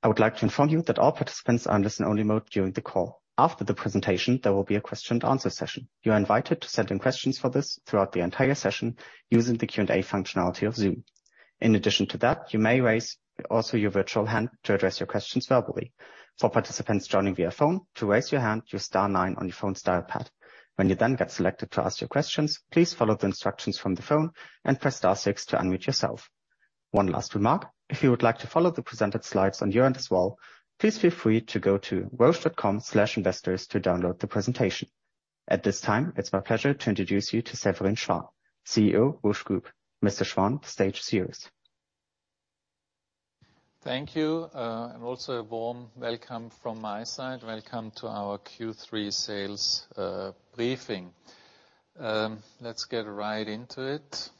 I would like to inform you that all participants are in listen-only mode during the call. After the presentation, there will be a question and answer session. You are invited to send in questions for this throughout the entire session using the Q&A functionality of Zoom. In addition to that, you may raise also your virtual hand to address your questions verbally. For participants joining via phone, to raise your hand, use star nine on your phone's dial pad. When you then get selected to ask your questions, please follow the instructions from the phone and press star six to unmute yourself. One last remark, if you would like to follow the presented slides on your end as well, please feel free to go to roche.com/investors to download the presentation. At this time, it's my pleasure to introduce you to Severin Schwan, CEO, Roche Group. Mr. Schwan, the stage is yours. Thank you. Also a warm welcome from my side. Welcome to our Q3 sales briefing. Let's get right into it.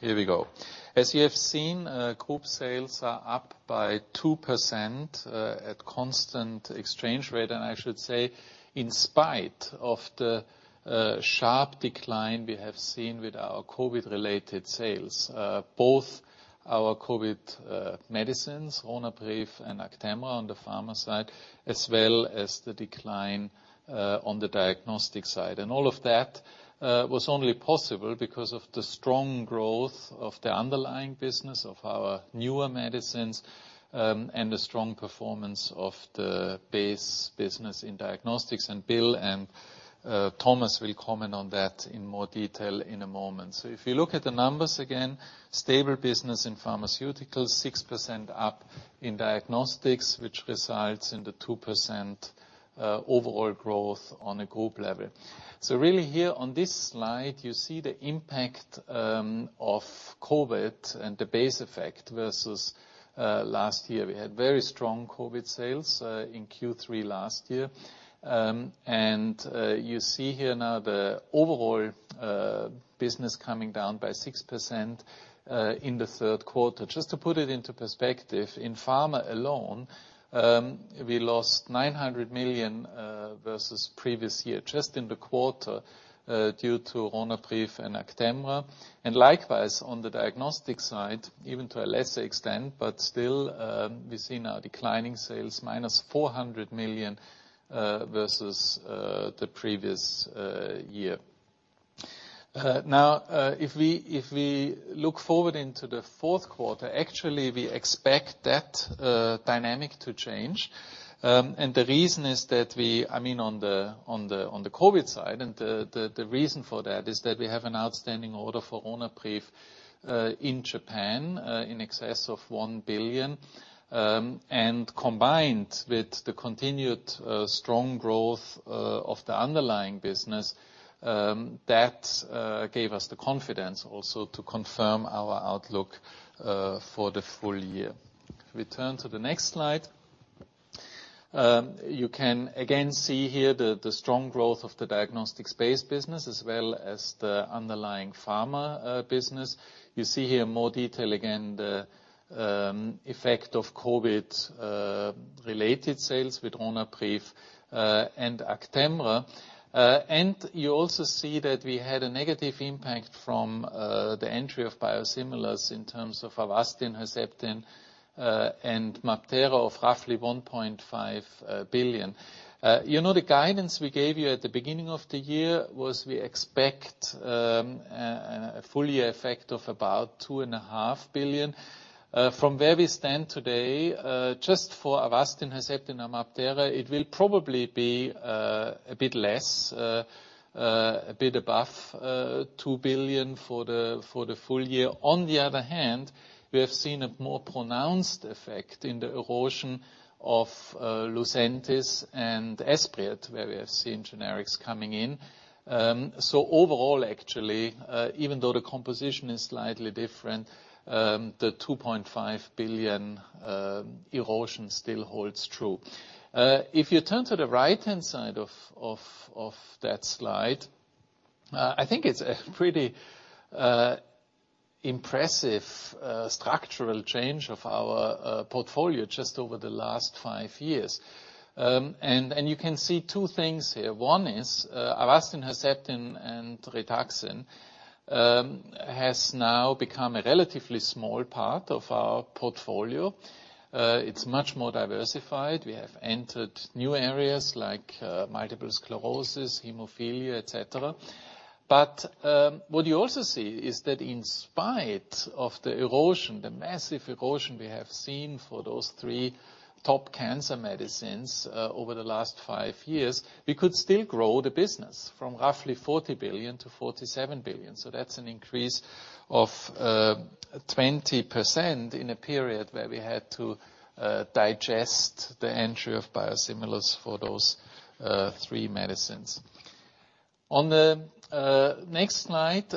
Here we go. As you have seen, group sales are up by 2% at constant exchange rate. I should say, in spite of the sharp decline we have seen with our COVID-related sales, both our COVID medicines, Ronapreve and Actemra on the pharma side, as well as the decline on the diagnostic side. All of that was only possible because of the strong growth of the underlying business of our newer medicines, and the strong performance of the base business in diagnostics. Bill and Thomas will comment on that in more detail in a moment. If you look at the numbers, again, stable business in pharmaceuticals, 6% up in diagnostics, which resides in the 2%, overall growth on a group level. Really here on this slide, you see the impact of COVID and the base effect versus last year. We had very strong COVID sales in Q3 last year. You see here now the overall business coming down by 6% in the third quarter. Just to put it into perspective, in pharma alone, we lost 900 million versus previous year just in the quarter due to Ronapreve and Actemra. Likewise on the diagnostic side, even to a lesser extent, but still, we see now declining sales minus 400 million versus the previous year. Now, if we look forward into the fourth quarter, actually, we expect that dynamic to change. The reason is that I mean, on the COVID side, the reason for that is that we have an outstanding order for Ronapreve in Japan in excess of 1 billion. Combined with the continued strong growth of the underlying business, that gave us the confidence also to confirm our outlook for the full year. If we turn to the next slide, you can again see here the strong growth of the diagnostics base business as well as the underlying pharma business. You see here more detail again, the effect of COVID-related sales with Ronapreve and Actemra. You also see that we had a negative impact from the entry of biosimilars in terms of Avastin, Herceptin, and MabThera of roughly 1.5 billion. You know, the guidance we gave you at the beginning of the year was we expect a full year effect of about 2.5 billion. From where we stand today, just for Avastin, Herceptin and MabThera, it will probably be a bit less, a bit above 2 billion for the full year. On the other hand, we have seen a more pronounced effect in the erosion of Lucentis and Esbriet, where we have seen generics coming in. Overall, actually, even though the composition is slightly different, the 2.5 billion erosion still holds true. If you turn to the right-hand side of that slide, I think it's a pretty impressive structural change of our portfolio just over the last five years. You can see two things here. One is Avastin, Herceptin, and Rituxan has now become a relatively small part of our portfolio. It's much more diversified. We have entered new areas like multiple sclerosis, hemophilia, et cetera. What you also see is that in spite of the erosion, the massive erosion we have seen for those three top cancer medicines over the last five years, we could still grow the business from roughly 40 billion to 47 billion. That's an increase of 20% in a period where we had to digest the entry of biosimilars for those three medicines. On the next slide,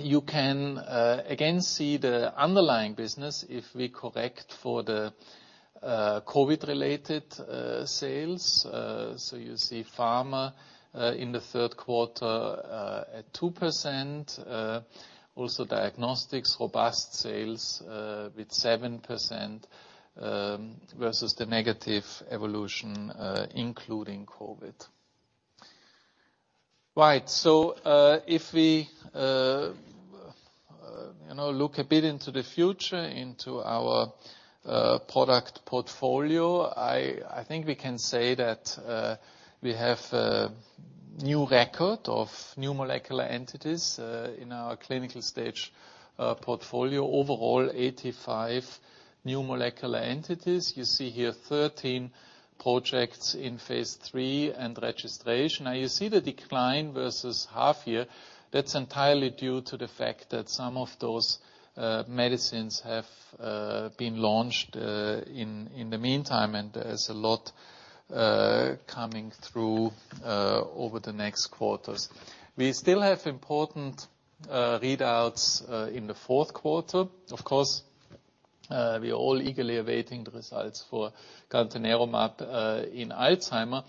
you can again see the underlying business if we correct for the COVID-related sales. You see Pharma in the third quarter at 2%. Also Diagnostics, robust sales with 7% versus the negative evolution including COVID. Right. If we you know look a bit into the future, into our product portfolio, I think we can say that we have a new record of new molecular entities in our clinical stage portfolio. Overall 85 new molecular entities. You see here 13 projects in phase III and registration. Now you see the decline versus half year, that's entirely due to the fact that some of those medicines have been launched in the meantime, and there's a lot coming through over the next quarters. We still have important readouts in the fourth quarter. Of course, we are all eagerly awaiting the results for gantenerumab in Alzheimer's.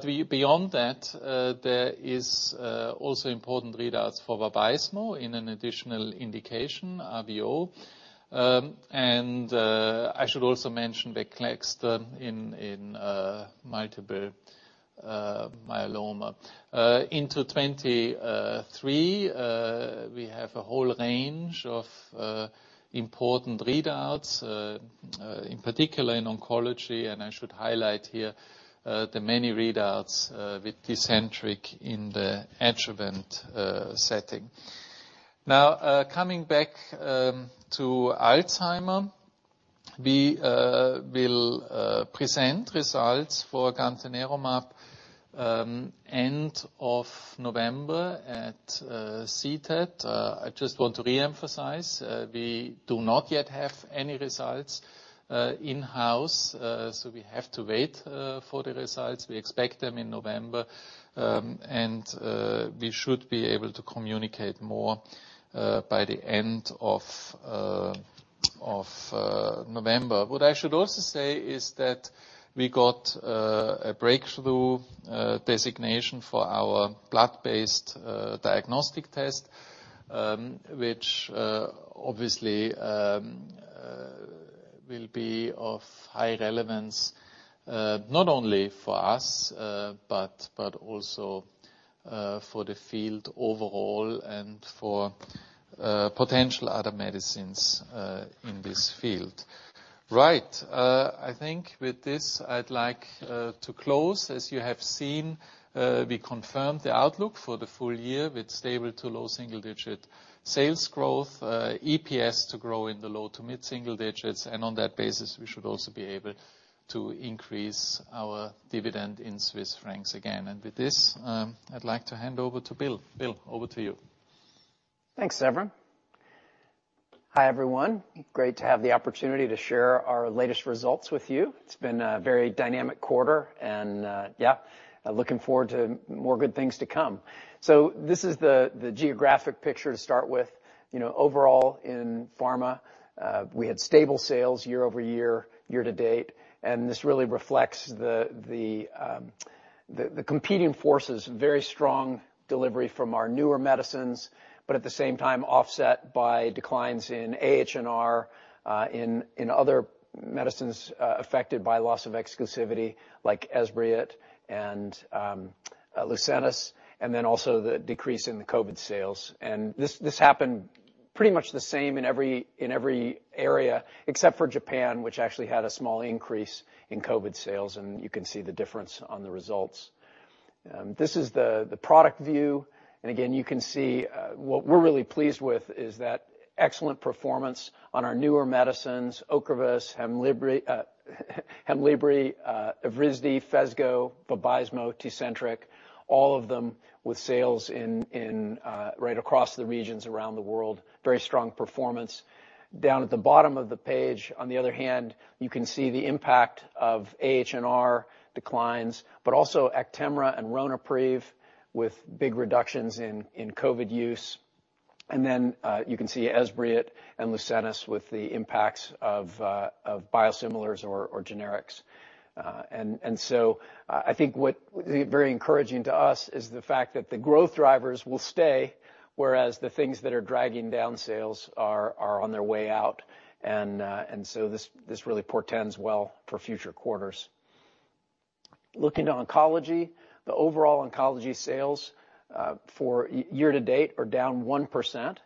Beyond that, there is also important readouts for Vabysmo in an additional indication, RVO. And I should also mention glofitamab in multiple myeloma. Into 2023, we have a whole range of important readouts in particular in oncology, and I should highlight here the many readouts with Tecentriq in the adjuvant setting. Now, coming back to Alzheimer's, we will present results for gantenerumab end of November at CTAD. I just want to re-emphasize, we do not yet have any results in-house, so we have to wait for the results. We expect them in November, and we should be able to communicate more by the end of November. What I should also say is that we got a breakthrough designation for our blood-based diagnostic test, which obviously will be of high relevance, not only for us, but also for the field overall and for potential other medicines in this field. Right. I think with this, I'd like to close. As you have seen, we confirmed the outlook for the full year with stable to low-single-digit sales growth, EPS to grow in the low- to mid-single-digits. On that basis, we should also be able to increase our dividend in Swiss francs again. With this, I'd like to hand over to Bill. Bill, over to you. Thanks, Severin. Hi, everyone. Great to have the opportunity to share our latest results with you. It's been a very dynamic quarter, looking forward to more good things to come. This is the geographic picture to start with. You know, overall in pharma, we had stable sales year-over-year, year-to-date, and this really reflects the competing forces, very strong delivery from our newer medicines, but at the same time offset by declines in AHR, in other medicines affected by loss of exclusivity, like Esbriet and Lucentis, and then also the decrease in the COVID sales. This happened pretty much the same in every area, except for Japan, which actually had a small increase in COVID sales, and you can see the difference on the results. This is the product view. Again, you can see what we're really pleased with is that excellent performance on our newer medicines, Ocrevus, Hemlibra, Evrysdi, Phesgo, Vabysmo, Tecentriq, all of them with sales right across the regions around the world. Very strong performance. Down at the bottom of the page, on the other hand, you can see the impact of AHR declines, but also Actemra and Ronapreve with big reductions in COVID use. You can see Esbriet and Lucentis with the impacts of biosimilars or generics. I think what's very encouraging to us is the fact that the growth drivers will stay, whereas the things that are dragging down sales are on their way out. This really portends well for future quarters. Looking to oncology, the overall oncology sales for year-to-date are down 1%,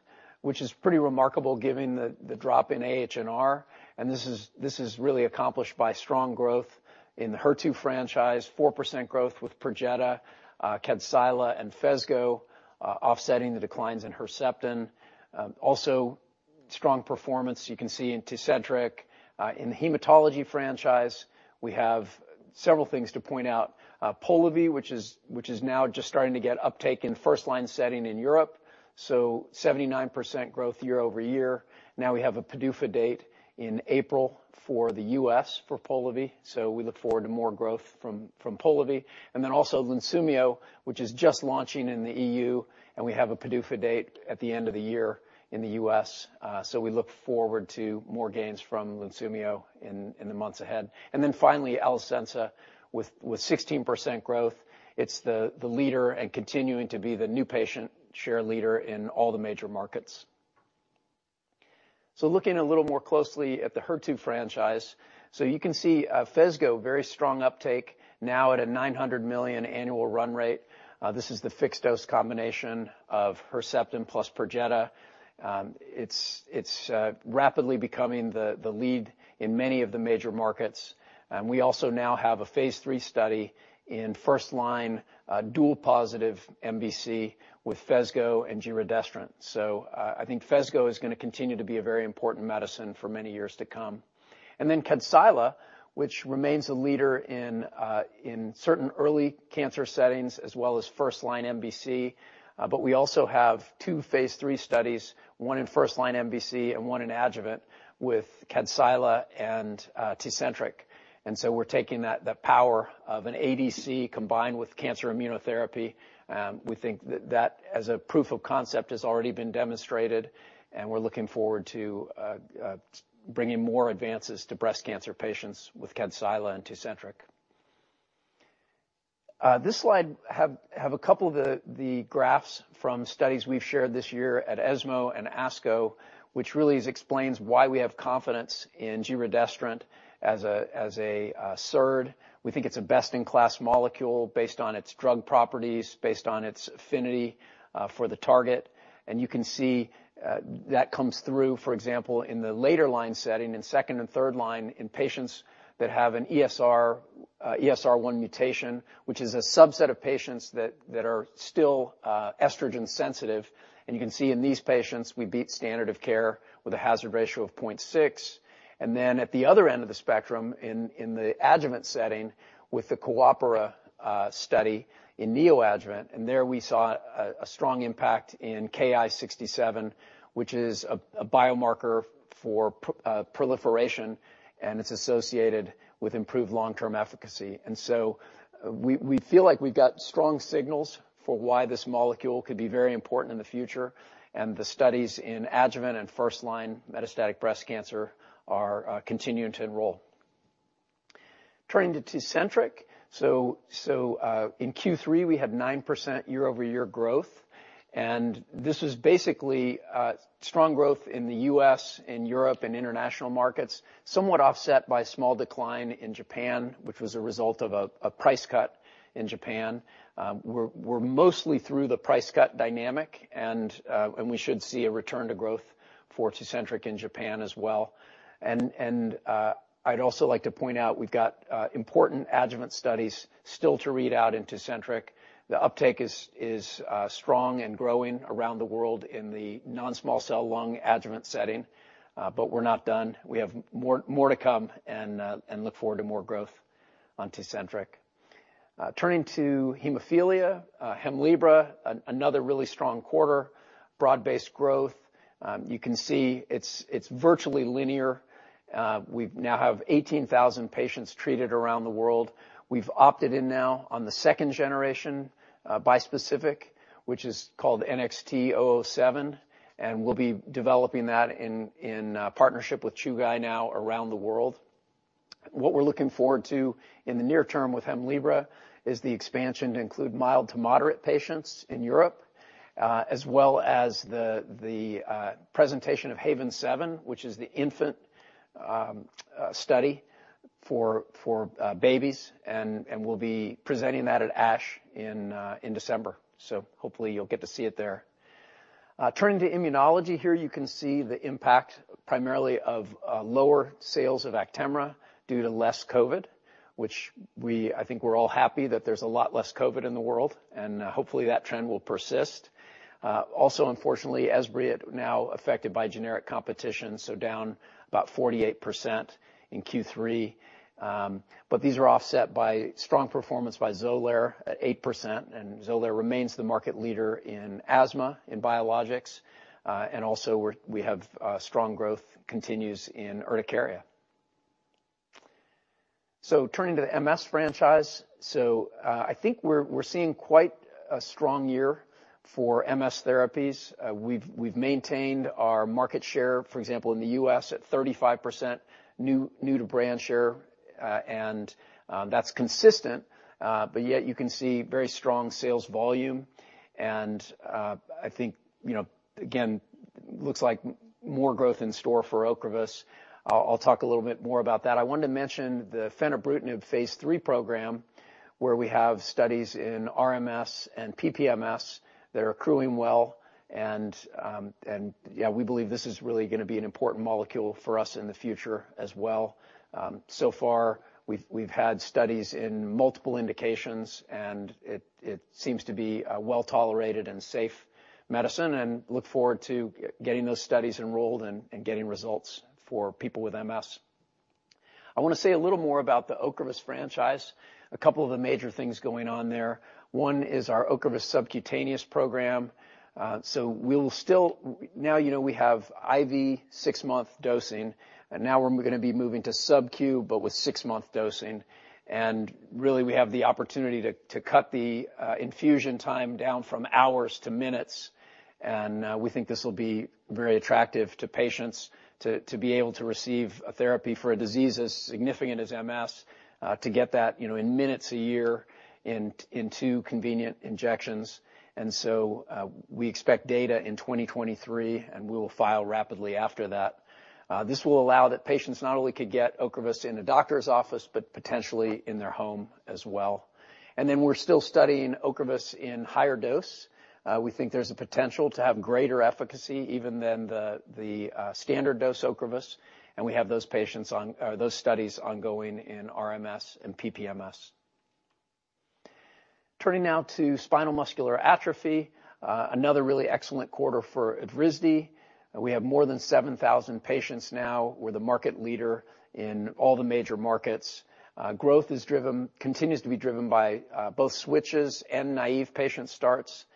which is pretty remarkable given the drop in AHR. This is really accomplished by strong growth in the HER2 franchise, 4% growth with Perjeta, Kadcyla and Phesgo, offsetting the declines in Herceptin. Also strong performance you can see in Tecentriq. In the hematology franchise, we have several things to point out. Polivy, which is now just starting to get uptake in first line setting in Europe. 79% growth year-over-year. Now we have a PDUFA date in April for the U.S. for Polivy. We look forward to more growth from Polivy. Then also Lunsumio, which is just launching in the EU, and we have a PDUFA date at the end of the year in the U.S.. We look forward to more gains from Lunsumio in the months ahead. Finally, Alecensa with 16% growth. It's the leader and continuing to be the new patient share leader in all the major markets. Looking a little more closely at the HER2 franchise. You can see, Phesgo, very strong uptake, now at a 900 million annual run rate. This is the fixed-dose combination of Herceptin plus Perjeta. It's rapidly becoming the lead in many of the major markets. We also now have a phase III study in first-line HER2-positive MBC with Phesgo and giredestrant. I think Phesgo is gonna continue to be a very important medicine for many years to come. Kadcyla remains a leader in certain early cancer settings, as well as first-line MBC. We also have two phase III studies, one in first-line MBC and one in adjuvant with Kadcyla and Tecentriq. We're taking that, the power of an ADC combined with cancer immunotherapy. We think that as a proof of concept has already been demonstrated, and we're looking forward to bringing more advances to breast cancer patients with Kadcyla and Tecentriq. This slide has a couple of the graphs from studies we've shared this year at ESMO and ASCO, which really explains why we have confidence in giredestrant as a SERD. We think it's a best-in-class molecule based on its drug properties, based on its affinity for the target. You can see that comes through, for example, in the later line setting, in second and third line in patients that have an ESR1 mutation, which is a subset of patients that are still estrogen sensitive. You can see in these patients, we beat standard of care with a hazard ratio of 0.6. Then at the other end of the spectrum, in the adjuvant setting with the coopERA study in neoadjuvant, and there we saw a strong impact in Ki-67, which is a biomarker for proliferation, and it's associated with improved long-term efficacy. We feel like we've got strong signals for why this molecule could be very important in the future, and the studies in adjuvant and first-line metastatic breast cancer are continuing to enroll. Turning to Tecentriq. In Q3, we had 9% year-over-year growth, and this was basically strong growth in the U.S., in Europe, and international markets, somewhat offset by a small decline in Japan, which was a result of a price cut in Japan. We're mostly through the price cut dynamic, and we should see a return to growth for Tecentriq in Japan as well. I'd also like to point out we've got important adjuvant studies still to read out in Tecentriq. The uptake is strong and growing around the world in the non-small cell lung adjuvant setting, but we're not done. We have more to come and look forward to more growth on Tecentriq. Turning to hemophilia, Hemlibra, another really strong quarter, broad-based growth. You can see it's virtually linear. We now have 18,000 patients treated around the world. We've opted in now on the second generation bispecific, which is called NXT007, and we'll be developing that in partnership with Chugai now around the world. What we're looking forward to in the near-term with Hemlibra is the expansion to include mild to moderate patients in Europe, as well as the presentation of HAVEN 7, which is the infant study for babies and we'll be presenting that at ASH in December. Hopefully you'll get to see it there. Turning to immunology here, you can see the impact primarily of lower sales of Actemra due to less COVID, which I think we're all happy that there's a lot less COVID in the world, and hopefully that trend will persist. Also unfortunately, Esbriet now affected by generic competition, so down about 48% in Q3. But these are offset by strong performance by Xolair at 8%, and Xolair remains the market leader in asthma, in biologics, and also we have strong growth continues in urticaria. Turning to the MS franchise, I think we're seeing quite a strong year for MS therapies. We've maintained our market share, for example, in the U.S. at 35%, new to brand share, and that's consistent, but yet you can see very strong sales volume and I think, you know, again, looks like more growth in store for Ocrevus. I'll talk a little bit more about that. I wanted to mention the fenebrutinib phase III program, where we have studies in RMS and PPMS that are accruing well and yeah, we believe this is really gonna be an important molecule for us in the future as well. So far we've had studies in multiple indications, and it seems to be a well-tolerated and safe medicine, and look forward to getting those studies enrolled and getting results for people with MS. I wanna say a little more about the Ocrevus franchise, a couple of the major things going on there. One is our Ocrevus subcutaneous program. Now, you know, we have IV six-month dosing, and now we're gonna be moving to subQ, but with six-month dosing. Really, we have the opportunity to cut the infusion time down from hours to minutes. We think this will be very attractive to patients to be able to receive a therapy for a disease as significant as MS, to get that, you know, in minutes a year, in two convenient injections. We expect data in 2023, and we will file rapidly after that. This will allow that patients not only could get Ocrevus in a doctor's office, but potentially in their home as well. We're still studying Ocrevus in higher dose. We think there's a potential to have greater efficacy even than the standard dose Ocrevus, and we have those studies ongoing in RMS and PPMS. Turning now to spinal muscular atrophy, another really excellent quarter for Evrysdi. We have more than 7,000 patients now. We're the market leader in all the major markets. Growth continues to be driven by both switches and naive patient starts.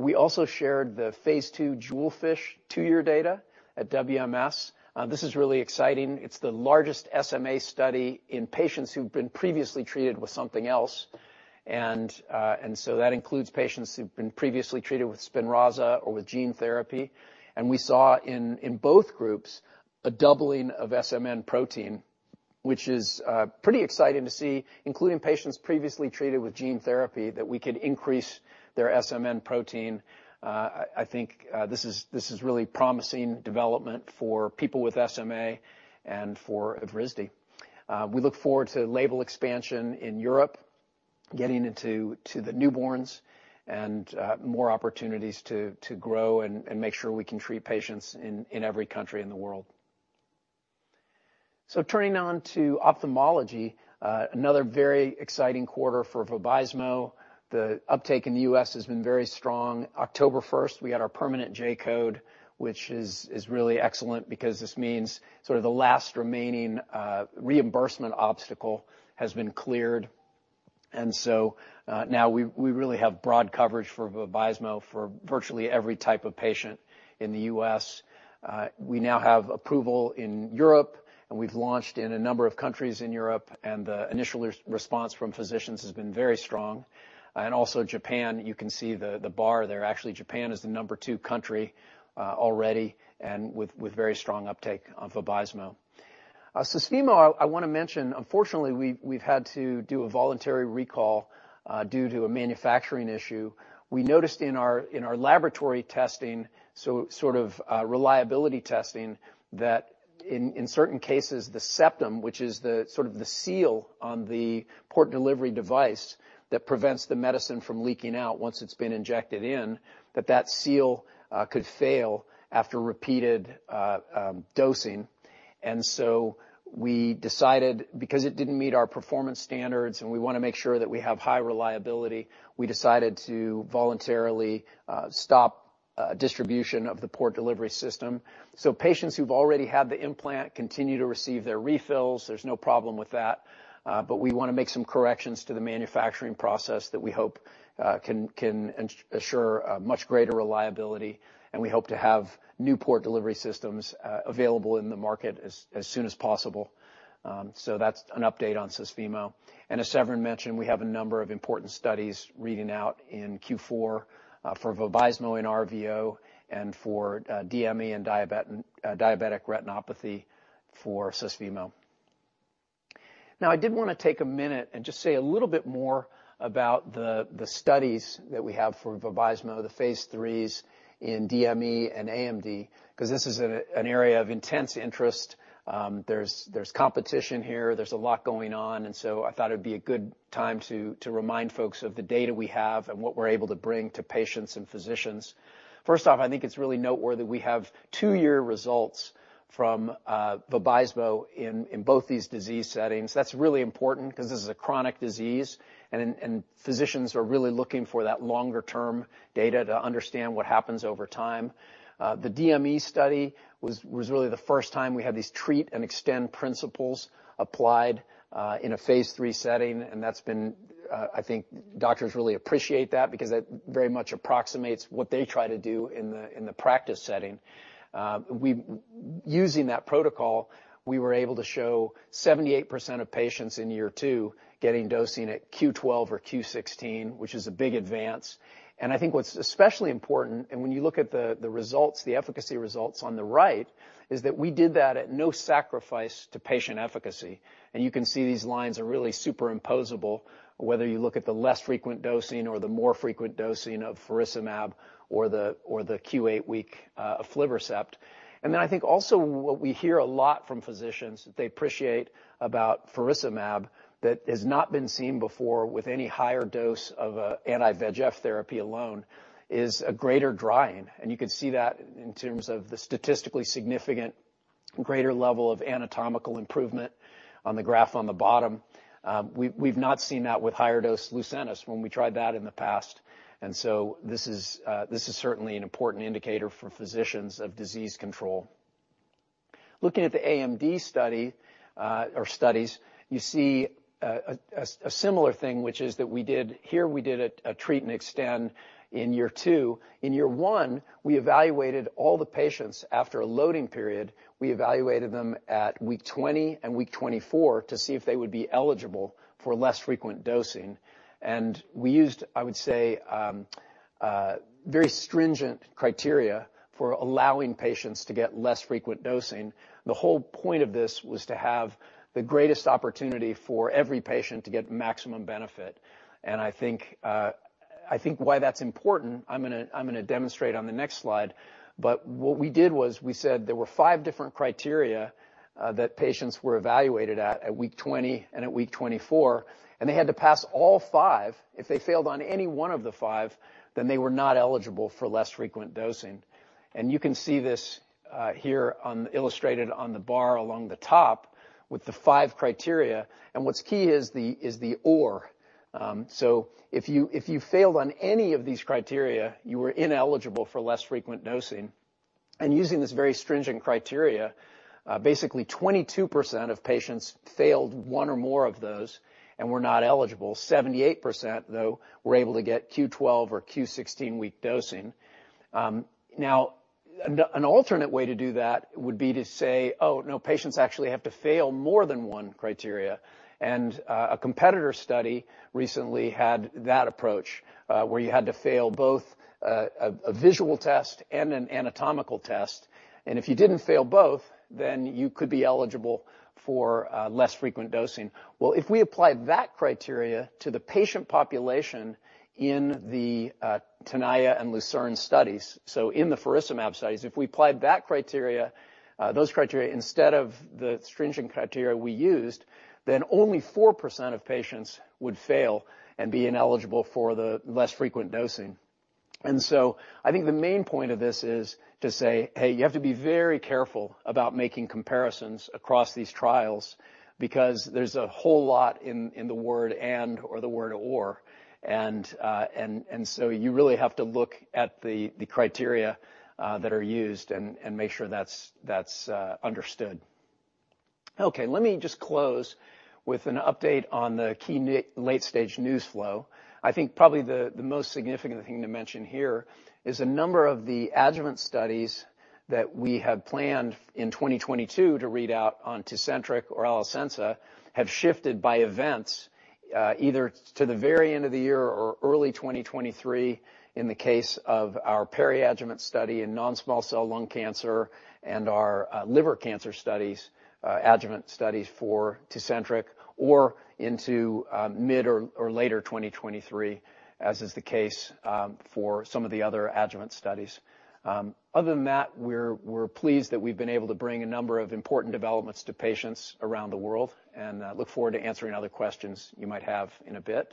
We also shared the phase II JEWELFISH two-year data at WMS. This is really exciting. It's the largest SMA study in patients who've been previously treated with something else. That includes patients who've been previously treated with Spinraza or with gene therapy. We saw in both groups a doubling of SMN protein, which is pretty exciting to see, including patients previously treated with gene therapy, that we could increase their SMN protein. I think this is really promising development for people with SMA and for Evrysdi. We look forward to label expansion in Europe, getting into the newborns, and more opportunities to grow and make sure we can treat patients in every country in the world. Turning to ophthalmology, another very exciting quarter for Vabysmo. The uptake in the U.S. has been very strong. October first, we got our permanent J-code, which is really excellent because this means sort of the last remaining reimbursement obstacle has been cleared. Now we really have broad coverage for Vabysmo for virtually every type of patient in the U.S. We now have approval in Europe, and we've launched in a number of countries in Europe, and the initial response from physicians has been very strong. Also Japan, you can see the bar there. Actually, Japan is the number two country already and with very strong uptake of Vabysmo. Susvimo, I wanna mention, unfortunately, we've had to do a voluntary recall due to a manufacturing issue. We noticed in our laboratory testing, so sort of reliability testing, that in certain cases, the septum, which is the sort of the seal on the port delivery device that prevents the medicine from leaking out once it's been injected in, that seal could fail after repeated dosing. We decided, because it didn't meet our performance standards, and we wanna make sure that we have high reliability, to voluntarily stop distribution of the port delivery system. Patients who've already had the implant continue to receive their refills. There's no problem with that. We wanna make some corrections to the manufacturing process that we hope can assure a much greater reliability, and we hope to have new port delivery systems available in the market as soon as possible. That's an update on Susvimo. As Severin mentioned, we have a number of important studies reading out in Q4 for Vabysmo in RVO and for DME and diabetic retinopathy for Susvimo. Now I did wanna take a minute and just say a little bit more about the studies that we have for Vabysmo, the phase IIIs in DME and AMD, 'cause this is an area of intense interest. There's competition here. There's a lot going on. I thought it would be a good time to remind folks of the data we have and what we're able to bring to patients and physicians. First off, I think it's really noteworthy we have two-year results from Vabysmo in both these disease settings. That's really important 'cause this is a chronic disease, and physicians are really looking for that longer-term data to understand what happens over time. The DME study was really the first time we had these treat and extend principles applied in a phase III setting, and that's been I think doctors really appreciate that because that very much approximates what they try to do in the practice setting. Using that protocol, we were able to show 78% of patients in year two getting dosing at Q 12 or Q 16, which is a big advance. I think what's especially important, and when you look at the results, the efficacy results on the right, is that we did that at no sacrifice to patient efficacy. You can see these lines are really superimposable, whether you look at the less frequent dosing or the more frequent dosing of faricimab or the Q8-week aflibercept. I think also what we hear a lot from physicians that they appreciate about faricimab that has not been seen before with any higher dose of anti-VEGF therapy alone is a greater drying. You can see that in terms of the statistically significant greater level of anatomical improvement on the graph on the bottom. We've not seen that with higher dose Lucentis when we tried that in the past. This is certainly an important indicator for physicians of disease control. Looking at the AMD study, or studies, you see a similar thing, which is that we did a treat and extend in year two. In year one, we evaluated all the patients after a loading period at week 20 and week 24 to see if they would be eligible for less frequent dosing. We used, I would say, very stringent criteria for allowing patients to get less frequent dosing. The whole point of this was to have the greatest opportunity for every patient to get maximum benefit. I think why that's important, I'm gonna demonstrate on the next slide. What we did was we said there were five different criteria that patients were evaluated at week 20 and at week 24. They had to pass all five. If they failed on any one of the five, then they were not eligible for less frequent dosing. You can see this here, illustrated on the bar along the top with the five criteria. What's key is the or. If you failed on any of these criteria, you were ineligible for less frequent dosing. Using this very stringent criteria, basically 22% of patients failed one or more of those and were not eligible. 78%, though, were able to get Q12 or Q16 week dosing. Now, an alternate way to do that would be to say, "Oh, no, patients actually have to fail more than one criteria." A competitor study recently had that approach, where you had to fail both, a visual test and an anatomical test, and if you didn't fail both, then you could be eligible for less frequent dosing. Well, if we apply that criteria to the patient population in the TENAYA and LUCERNE studies, so in the faricimab studies, if we applied that criteria, those criteria, instead of the stringent criteria we used, then only 4% of patients would fail and be ineligible for the less frequent dosing. I think the main point of this is to say, "Hey, you have to be very careful about making comparisons across these trials, because there's a whole lot in the word and or the word or." You really have to look at the criteria that are used and make sure that's understood. Okay, let me just close with an update on the key late-stage news flow. I think probably the most significant thing to mention here is a number of the adjuvant studies that we had planned in 2022 to read out on Tecentriq or Alecensa have shifted by events, either to the very end of the year or early 2023 in the case of our peri-adjuvant study in non-small cell lung cancer and our liver cancer studies, adjuvant studies for Tecentriq, or into mid or later 2023, as is the case for some of the other adjuvant studies. Other than that, we're pleased that we've been able to bring a number of important developments to patients around the world, and look forward to answering other questions you might have in a bit.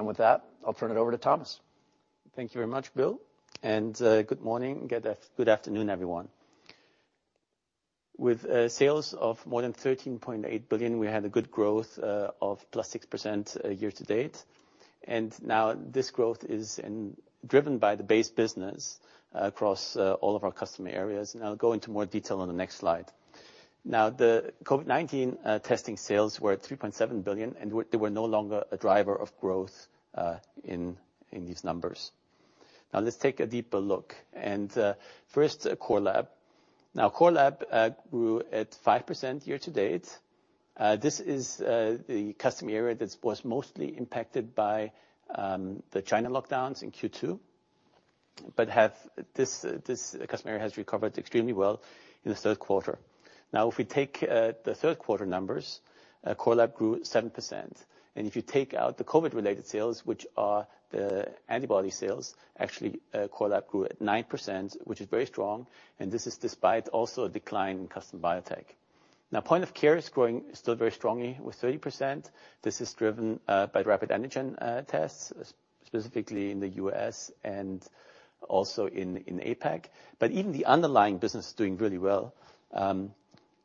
With that, I'll turn it over to Thomas. Thank you very much, Bill. Good morning. Good afternoon, everyone. With sales of more than 13.8 billion, we had a good growth of +6% year-to-date. Now this growth is driven by the base business across all of our customer areas. I'll go into more detail on the next slide. Now, the COVID-19 testing sales were at 3.7 billion, and they were no longer a driver of growth in these numbers. Now let's take a deeper look. First, Core Lab. Core Lab grew 5% year-to-date. This is the customer area that was mostly impacted by the China lockdowns in Q2, but this customer area has recovered extremely well in the third quarter. Now, if we take the third quarter numbers, Core Lab grew 7%. If you take out the COVID-related sales, which are the antibody sales, actually, Core Lab grew at 9%, which is very strong, and this is despite also a decline in custom biotech. Now, point of care is growing still very strongly with 30%. This is driven by rapid antigen tests, specifically in the U.S. and also in APAC. Even the underlying business is doing really well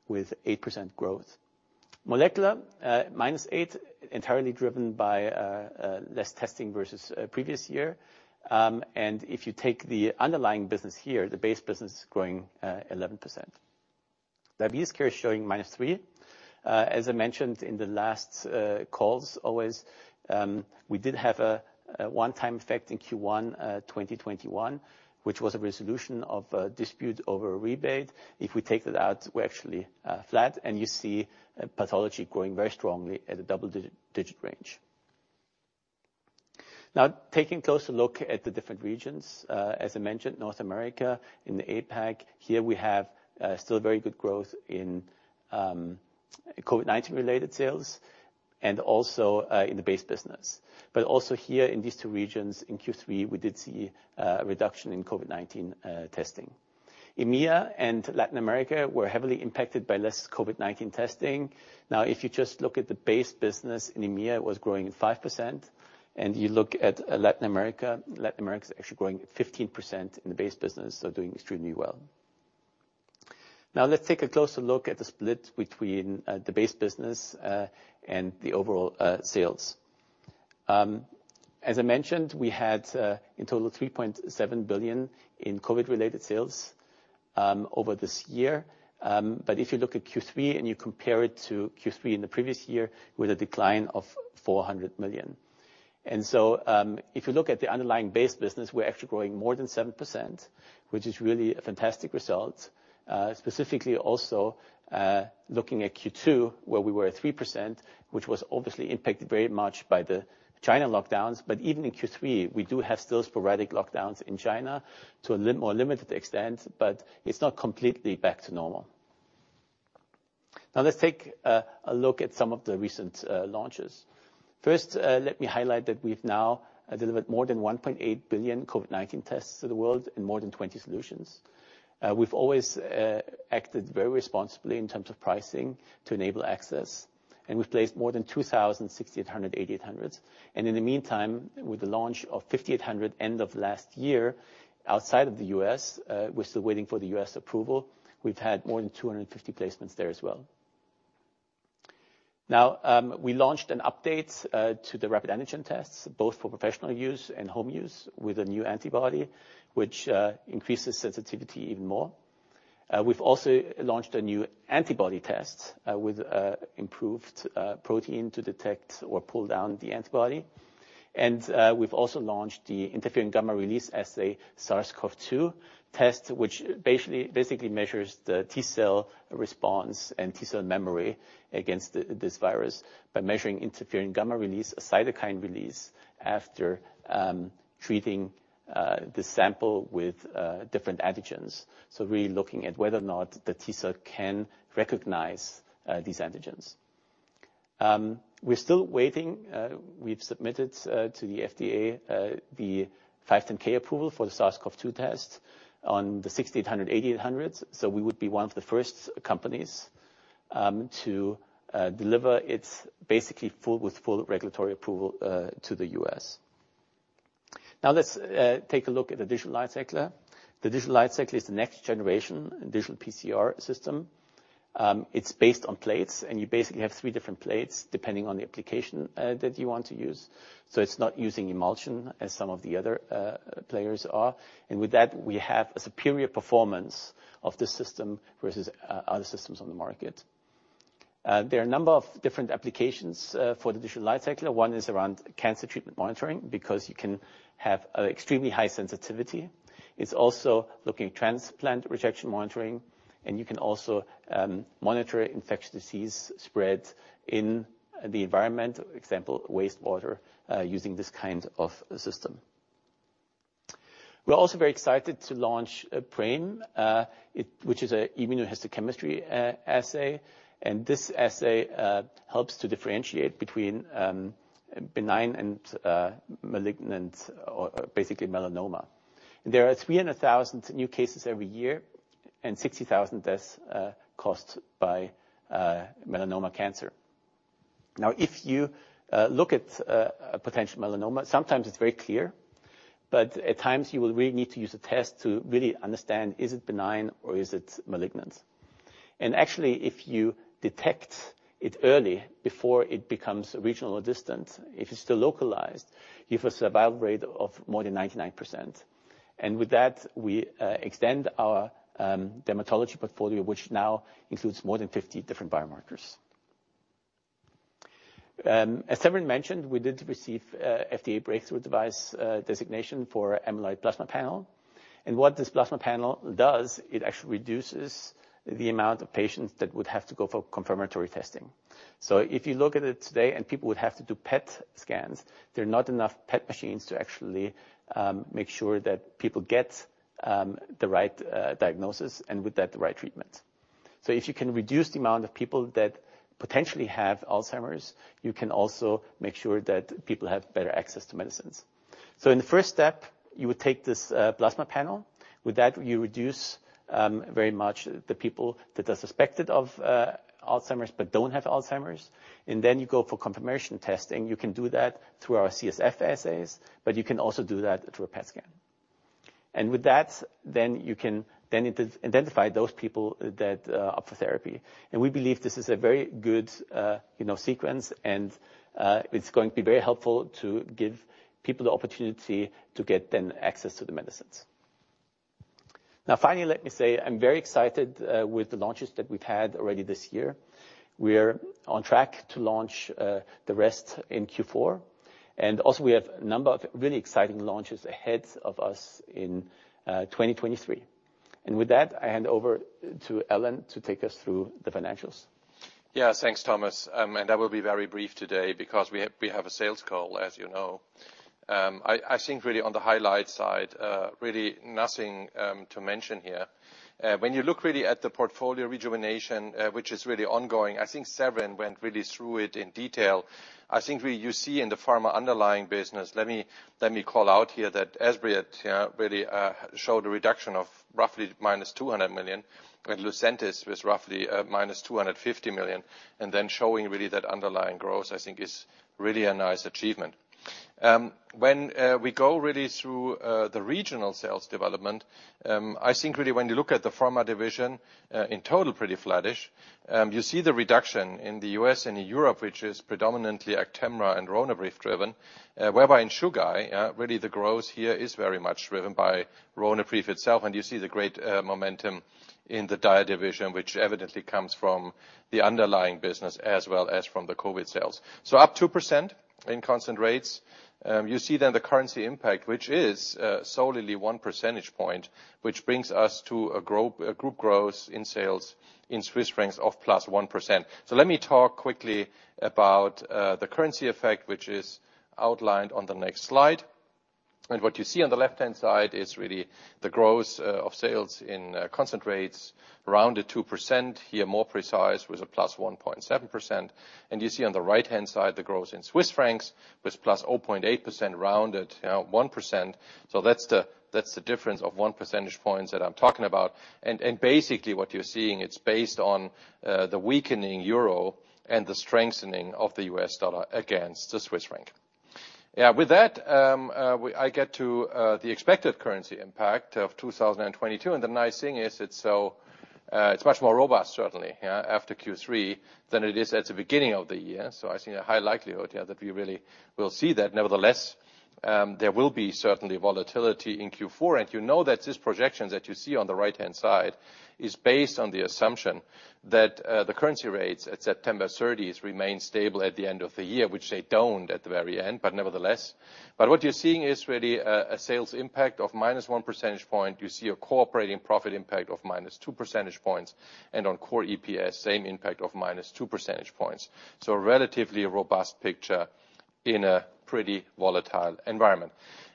with 8% growth. Molecular, -8%, entirely driven by less testing versus previous year. If you take the underlying business here, the base business is growing 11%. Diabetes care is showing -3%. As I mentioned in the last calls always, we did have a one-time effect in Q1 2021, which was a resolution of a dispute over a rebate. If we take that out, we're actually flat, and you see pathology growing very strongly at a double-digit range. Now, taking a closer look at the different regions, as I mentioned, North America and APAC, here we have still very good growth in COVID-19 related sales and also in the base business. But also here in these two regions, in Q3, we did see a reduction in COVID-19 testing. EMEA and Latin America were heavily impacted by less COVID-19 testing. Now, if you just look at the base business in EMEA, it was growing at 5%. You look at Latin America, Latin America is actually growing at 15% in the base business, so doing extremely well. Now let's take a closer look at the split between the base business and the overall sales. As I mentioned, we had in total 3.7 billion in COVID-related sales over this year. If you look at Q3 and you compare it to Q3 in the previous year, with a decline of 400 million. If you look at the underlying base business, we're actually growing more than 7%, which is really a fantastic result. Specifically also, looking at Q2 where we were at 3%, which was obviously impacted very much by the China lockdowns. Even in Q3, we do have still sporadic lockdowns in China to a more limited extent, but it's not completely back to normal. Now let's take a look at some of the recent launches. First, let me highlight that we've now delivered more than 1.8 billion COVID-19 tests to the world in more than 20 solutions. We've always acted very responsibly in terms of pricing to enable access, and we've placed more than 2,000 688s. In the meantime, with the launch of 5,800 end of last year, outside of the U.S., we're still waiting for the U.S. approval. We've had more than 250 placements there as well. Now, we launched an update to the rapid antigen tests, both for professional use and home use, with a new antibody which increases sensitivity even more. We've also launched a new antibody test with improved protein to detect or pull down the antibody. We've also launched the interferon gamma release assay SARS-CoV-2 test, which basically measures the T-cell response and T-cell memory against this virus by measuring interferon gamma release, a cytokine release, after treating the sample with different antigens. Really looking at whether or not the T-cell can recognize these antigens. We're still waiting. We've submitted to the FDA the 510(k) approval for the SARS-CoV-2 test on the cobas 6800/8800. We would be one of the first companies to deliver full regulatory approval to the U.S. Now let's take a look at the Digital LightCycler. The Digital LightCycler is the next generation digital PCR system. It's based on plates, and you basically have three different plates depending on the application that you want to use. It's not using emulsion as some of the other players are. With that, we have a superior performance of the system versus other systems on the market. There are a number of different applications for the Digital LightCycler. One is around cancer treatment monitoring, because you can have extremely high sensitivity. It's also looking at transplant rejection monitoring, and you can also monitor infectious disease spread in the environment, example wastewater, using this kind of system. We're also very excited to launch PRAME, which is an immunohistochemistry assay. This assay helps to differentiate between benign and malignant, or basically melanoma. There are 300,000 new cases every year and 60,000 deaths caused by melanoma cancer. Now, if you look at a potential melanoma, sometimes it's very clear, but at times you will really need to use a test to really understand is it benign or is it malignant. Actually, if you detect it early before it becomes regional or distant, if it's still localized, you have a survival rate of more than 99%. With that, we extend our dermatology portfolio, which now includes more than 50 different biomarkers. As Severin mentioned, we did receive FDA breakthrough device designation for Amyloid Plasma Panel. What this plasma panel does, it actually reduces the amount of patients that would have to go for confirmatory testing. If you look at it today and people would have to do PET scans, there are not enough PET machines to actually make sure that people get the right diagnosis and with that, the right treatment. If you can reduce the amount of people that potentially have Alzheimer's, you can also make sure that people have better access to medicines. In the first step, you would take this plasma panel. With that, you reduce very much the people that are suspected of Alzheimer's but don't have Alzheimer's. Then you go for confirmation testing. You can do that through our CSF assays, but you can also do that through a PET scan. With that, then you can identify those people that are up for therapy. We believe this is a very good sequence and it's going to be very helpful to give people the opportunity to get access to the medicines. Now finally, let me say I'm very excited with the launches that we've had already this year. We're on track to launch the rest in Q4. We also have a number of really exciting launches ahead of us in 2023. With that, I hand over to Alan to take us through the financials. Yeah. Thanks, Thomas. I will be very brief today because we have a sales call, as you know. I think really on the highlight side, really nothing to mention here. When you look really at the portfolio rejuvenation, which is really ongoing, I think Severin went really through it in detail. I think really you see in the pharma underlying business. Let me call out here that Evrysdi really showed a reduction of roughly minus 200 million, and Lucentis was roughly minus 250 million. Then showing really that underlying growth, I think is really a nice achievement. When we go really through the regional sales development, I think really when you look at the pharma division in total pretty flattish. You see the reduction in the U.S. and Europe, which is predominantly Actemra and Ronapreve driven. Whereby in Chugai, really the growth here is very much driven by Ronapreve itself. You see the great momentum in the Dia division, which evidently comes from the underlying business as well as from the COVID sales. Up 2% in constant rates. You see then the currency impact, which is solely 1 percentage point, which brings us to a group growth in sales in Swiss francs of +1%. Let me talk quickly about the currency effect, which is outlined on the next slide. What you see on the left-hand side is really the growth of sales in constant rates, around the 2%. Here more precise, with a +1.7%. You see on the right-hand side the growth in Swiss francs with +0.8% rounded at 1%. That's the difference of one percentage points that I'm talking about. Basically what you're seeing, it's based on the weakening Euro and the strengthening of the U.S. dollar against the Swiss franc. Yeah. With that, I get to the expected currency impact of 2022, and the nice thing is it's much more robust certainly, yeah, after Q3 than it is at the beginning of the year. I see a high likelihood here that we really will see that. Nevertheless, there will be certainly volatility in Q4. You know that these projections that you see on the right-hand side are based on the assumption that the currency rates at September thirtieth remain stable at the end of the year, which they don't at the very end, but nevertheless. What you're seeing is really a sales impact of minus one percentage point. You see an operating profit impact of minus two percentage points and on core EPS, same impact of minus two percentage points. A relatively robust picture in a pretty volatile environment.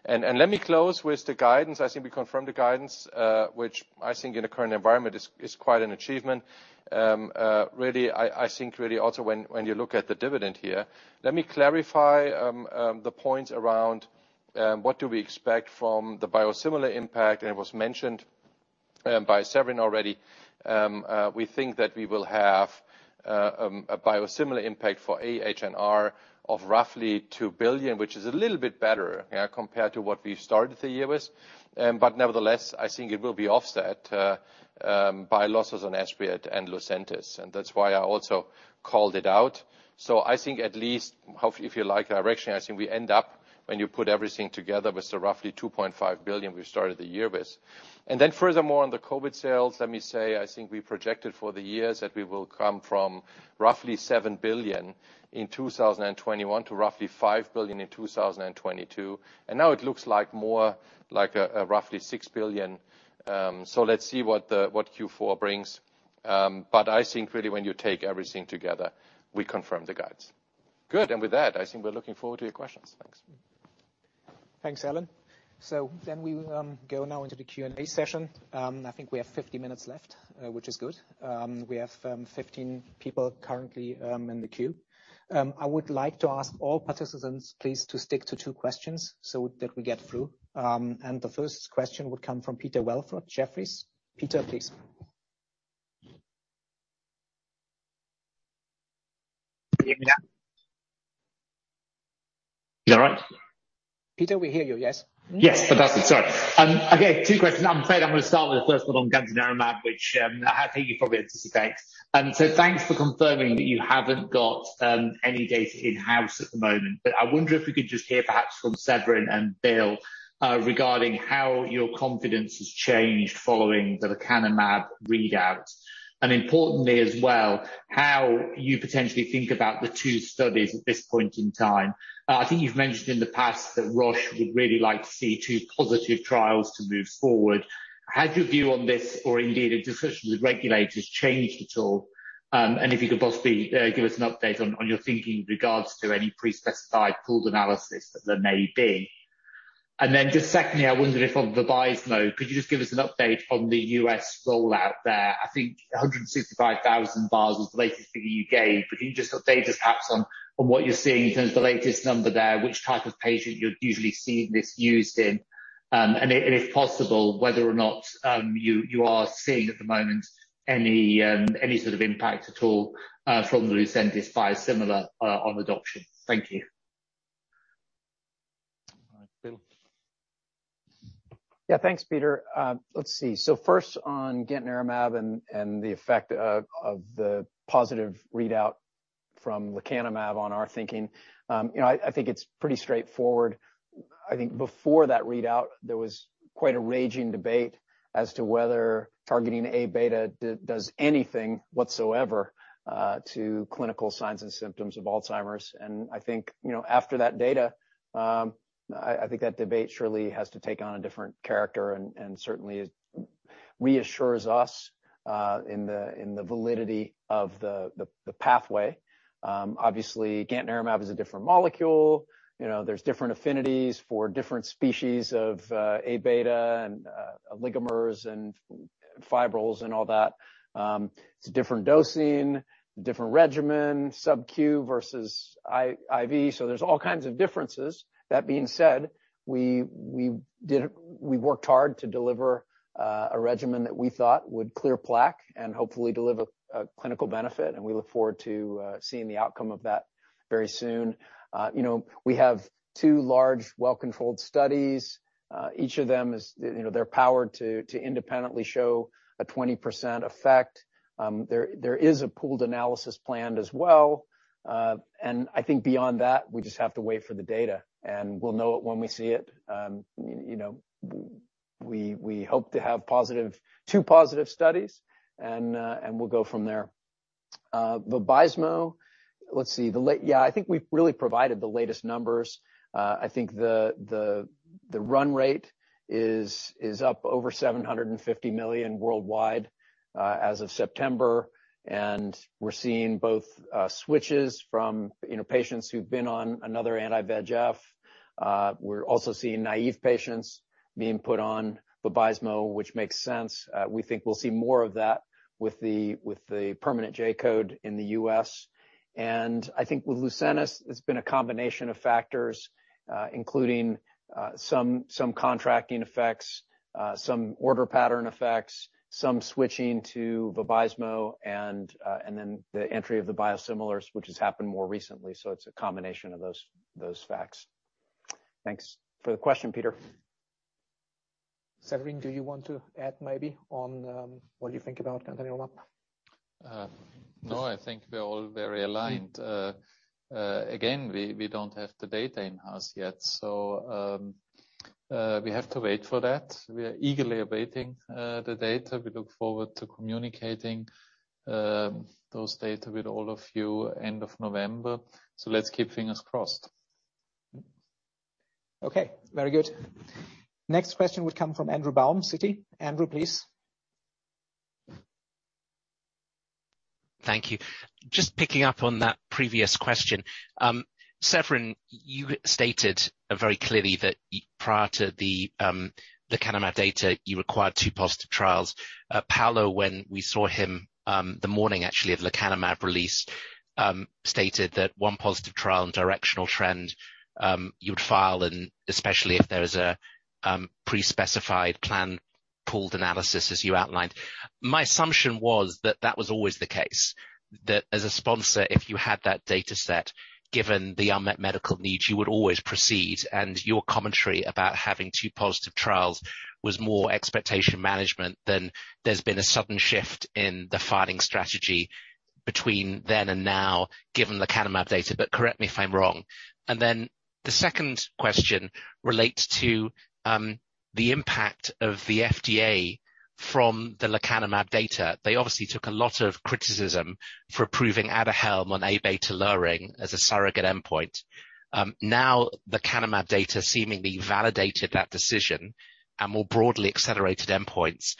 Let me close with the guidance. I think we confirm the guidance, which I think in the current environment is quite an achievement. Really, I think really also when you look at the dividend here. Let me clarify the points around what do we expect from the biosimilar impact. It was mentioned by Severin already. We think that we will have a biosimilar impact for AHR of roughly 2 billion, which is a little bit better, yeah, compared to what we started the year with. But nevertheless, I think it will be offset by losses on Esbriet and Lucentis, and that's why I also called it out. I think at least, if you like direction, I think we end up, when you put everything together, with the roughly 2.5 billion we started the year with. Furthermore, on the COVID sales, let me say, I think we projected for the years that we will come from roughly 7 billion in 2021 to roughly 5 billion in 2022. Now it looks like more like roughly 6 billion. Let's see what Q4 brings. I think really when you take everything together, we confirm the guides. Good. With that, I think we're looking forward to your questions. Thanks. Thanks, Alan. We go now into the Q&A session. I think we have 50 minutes left, which is good. We have 15 people currently in the queue. I would like to ask all participants, please, to stick to two questions so that we get through. The first question would come from Peter Welford, Jefferies. Peter, please. Can you hear me now? Is that all right? Peter, we hear you. Yes. Yes. Fantastic. Sorry. Okay, two questions. I'm afraid I'm gonna start with the first one on gantenerumab, which I think you probably anticipate. Thanks for confirming that you haven't got any data in-house at the moment. I wonder if we could just hear perhaps from Severin and Bill regarding how your confidence has changed following the lecanemab readout. Importantly as well, how you potentially think about the two studies at this point in time. I think you've mentioned in the past that Roche would really like to see two positive trials to move forward. Has your view on this, or indeed a discussion with regulators changed at all? If you could possibly give us an update on your thinking with regards to any pre-specified pooled analysis that there may be. Just secondly, I wonder if on Vabysmo, could you just give us an update on the U.S. rollout there? I think 165,000 vials was the latest figure you gave, but can you just update us perhaps on what you're seeing in terms of the latest number there, which type of patient you're usually seeing this used in? And if possible, whether or not you are seeing at the moment any sort of impact at all from the Lucentis biosimilar on adoption. Thank you. All right. Bill? Yeah, thanks, Peter. Let's see. First on gantenerumab and the effect of the positive readout from lecanemab on our thinking. You know, I think it's pretty straightforward. I think before that readout, there was quite a raging debate as to whether targeting Abeta does anything whatsoever to clinical signs and symptoms of Alzheimer's. I think you know, after that data, I think that debate surely has to take on a different character and certainly reassures us in the validity of the pathway. Obviously gantenerumab is a different molecule. You know, there's different affinities for different species of Abeta and oligomers and fibrils and all that. It's a different dosing, different regimen, sub-Q versus I-IV. There's all kinds of differences. That being said, we worked hard to deliver a regimen that we thought would clear plaque and hopefully deliver a clinical benefit, and we look forward to seeing the outcome of that very soon. You know, we have two large, well-controlled studies. Each of them is, you know, powered to independently show a 20% effect. There is a pooled analysis planned as well. I think beyond that, we just have to wait for the data, and we'll know it when we see it. You know, we hope to have positive, two positive studies, and we'll go from there. Vabysmo, let's see. Yeah, I think we've really provided the latest numbers. I think the run rate is up over 750 million worldwide, as of September. We're seeing both switches from, you know, patients who've been on another anti-VEGF. We're also seeing naive patients being put on Vabysmo, which makes sense. We think we'll see more of that with the permanent J-code in the U.S. I think with Lucentis, it's been a combination of factors, including some contracting effects, some order pattern effects, some switching to Vabysmo, and then the entry of the biosimilars, which has happened more recently. It's a combination of those facts. Thanks for the question, Peter. Severin, do you want to add maybe on, what you think about gantenerumab? No, I think we're all very aligned. Again, we don't have the data in-house yet, so we have to wait for that. We are eagerly awaiting the data. We look forward to communicating those data with all of you end of November. Let's keep fingers crossed. Okay. Very good. Next question would come from Andrew Baum, Citi. Andrew, please. Thank you. Just picking up on that previous question. Severin, you stated very clearly that prior to the lecanemab data, you required two positive trials. Paulo, when we saw him, the morning actually of lecanemab release, stated that one positive trial and directional trend you would file in, especially if there is a pre-specified plan pooled analysis as you outlined. My assumption was that that was always the case. That as a sponsor, if you had that data set, given the unmet medical needs, you would always proceed, and your commentary about having two positive trials was more expectation management than there's been a sudden shift in the filing strategy between then and now given lecanemab data, but correct me if I'm wrong. The second question relates to the impact of the FDA from the lecanemab data. They obviously took a lot of criticism for approving Aduhelm on Aβ lowering as a surrogate endpoint. Now, lecanemab data seemingly validated that decision and more broadly accelerated endpoints.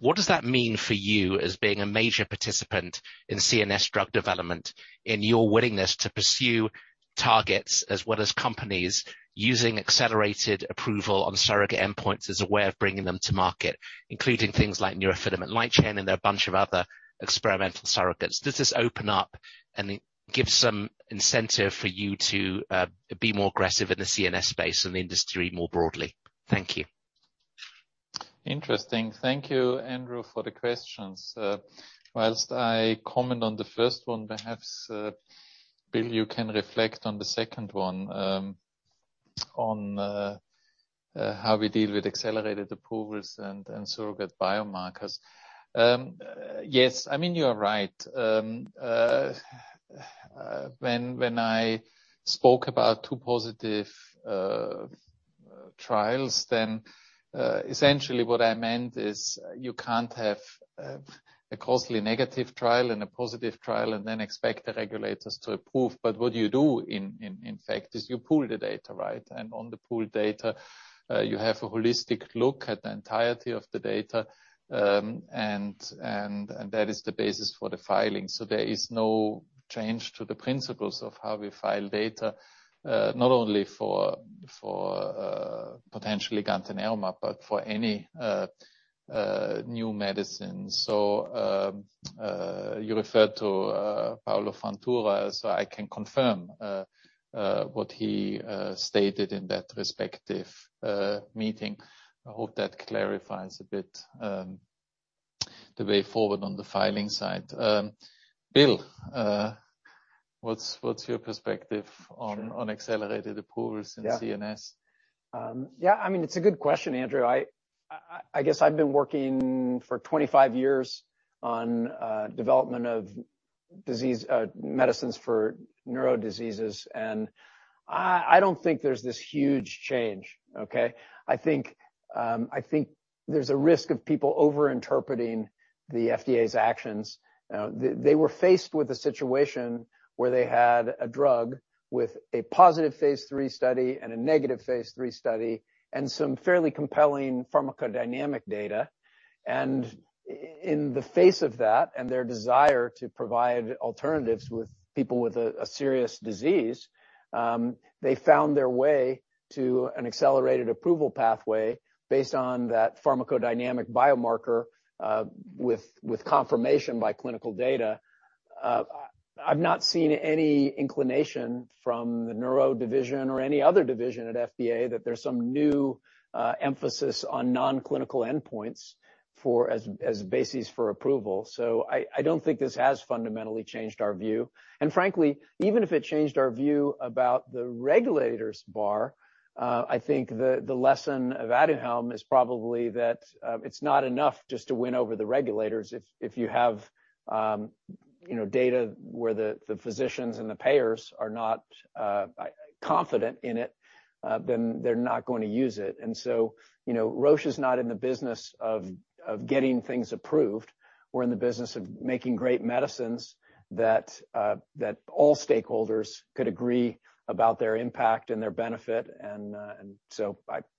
What does that mean for you as being a major participant in CNS drug development in your willingness to pursue targets as well as companies using accelerated approval on surrogate endpoints as a way of bringing them to market, including things like neurofilament light chain and a bunch of other experimental surrogates? Does this open up and give some incentive for you to be more aggressive in the CNS space and the industry more broadly? Thank you. Interesting. Thank you, Andrew, for the questions. While I comment on the first one, perhaps, Bill, you can reflect on the second one, on how we deal with accelerated approvals and surrogate biomarkers. Yes, I mean, you are right. When I spoke about two positive trials, then essentially what I meant is you can't have a clearly negative trial and a positive trial and then expect the regulators to approve. What you do in fact is you pool the data, right? And on the pooled data, you have a holistic look at the entirety of the data, and that is the basis for the filing. There is no change to the principles of how we file data, not only for potentially gantenerumab, but for any new medicine. You referred to Paulo Fontoura, so I can confirm what he stated in that respective meeting. I hope that clarifies a bit the way forward on the filing side. Bill, what's your perspective on- Sure. On accelerated approvals in CNS? Yeah. I mean, it's a good question, Andrew Baum. I guess I've been working for 25 years on development of medicines for neuro diseases, and I don't think there's this huge change, okay? I think there's a risk of people overinterpreting the FDA's actions. They were faced with a situation where they had a drug with a positive phase III study and a negative phase III study and some fairly compelling pharmacodynamic data. In the face of that and their desire to provide alternatives to people with a serious disease, they found their way to an accelerated approval pathway based on that pharmacodynamic biomarker, with confirmation by clinical data. I've not seen any inclination from the neuro division or any other division at FDA that there's some new emphasis on non-clinical endpoints as basis for approval. I don't think this has fundamentally changed our view. Frankly, even if it changed our view about the regulator's bar, I think the lesson of Aduhelm is probably that it's not enough just to win over the regulators. If you have you know data where the physicians and the payers are not confident in it then they're not going to use it. You know Roche is not in the business of getting things approved. We're in the business of making great medicines that all stakeholders could agree about their impact and their benefit and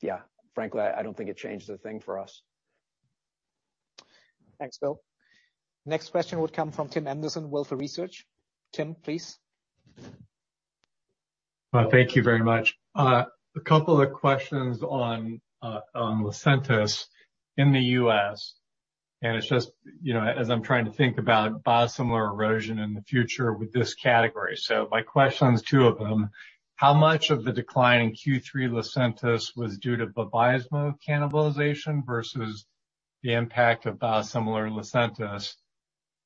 yeah. Frankly, I don't think it changed a thing for us. Thanks, Bill. Next question would come from Tim Anderson, Wolfe Research. Tim, please. Thank you very much. A couple of questions on Lucentis in the U.S., and it's just, you know, as I'm trying to think about biosimilar erosion in the future with this category. My questions, two of them, how much of the decline in Q3 Lucentis was due to Vabysmo cannibalization versus the impact of biosimilar Lucentis?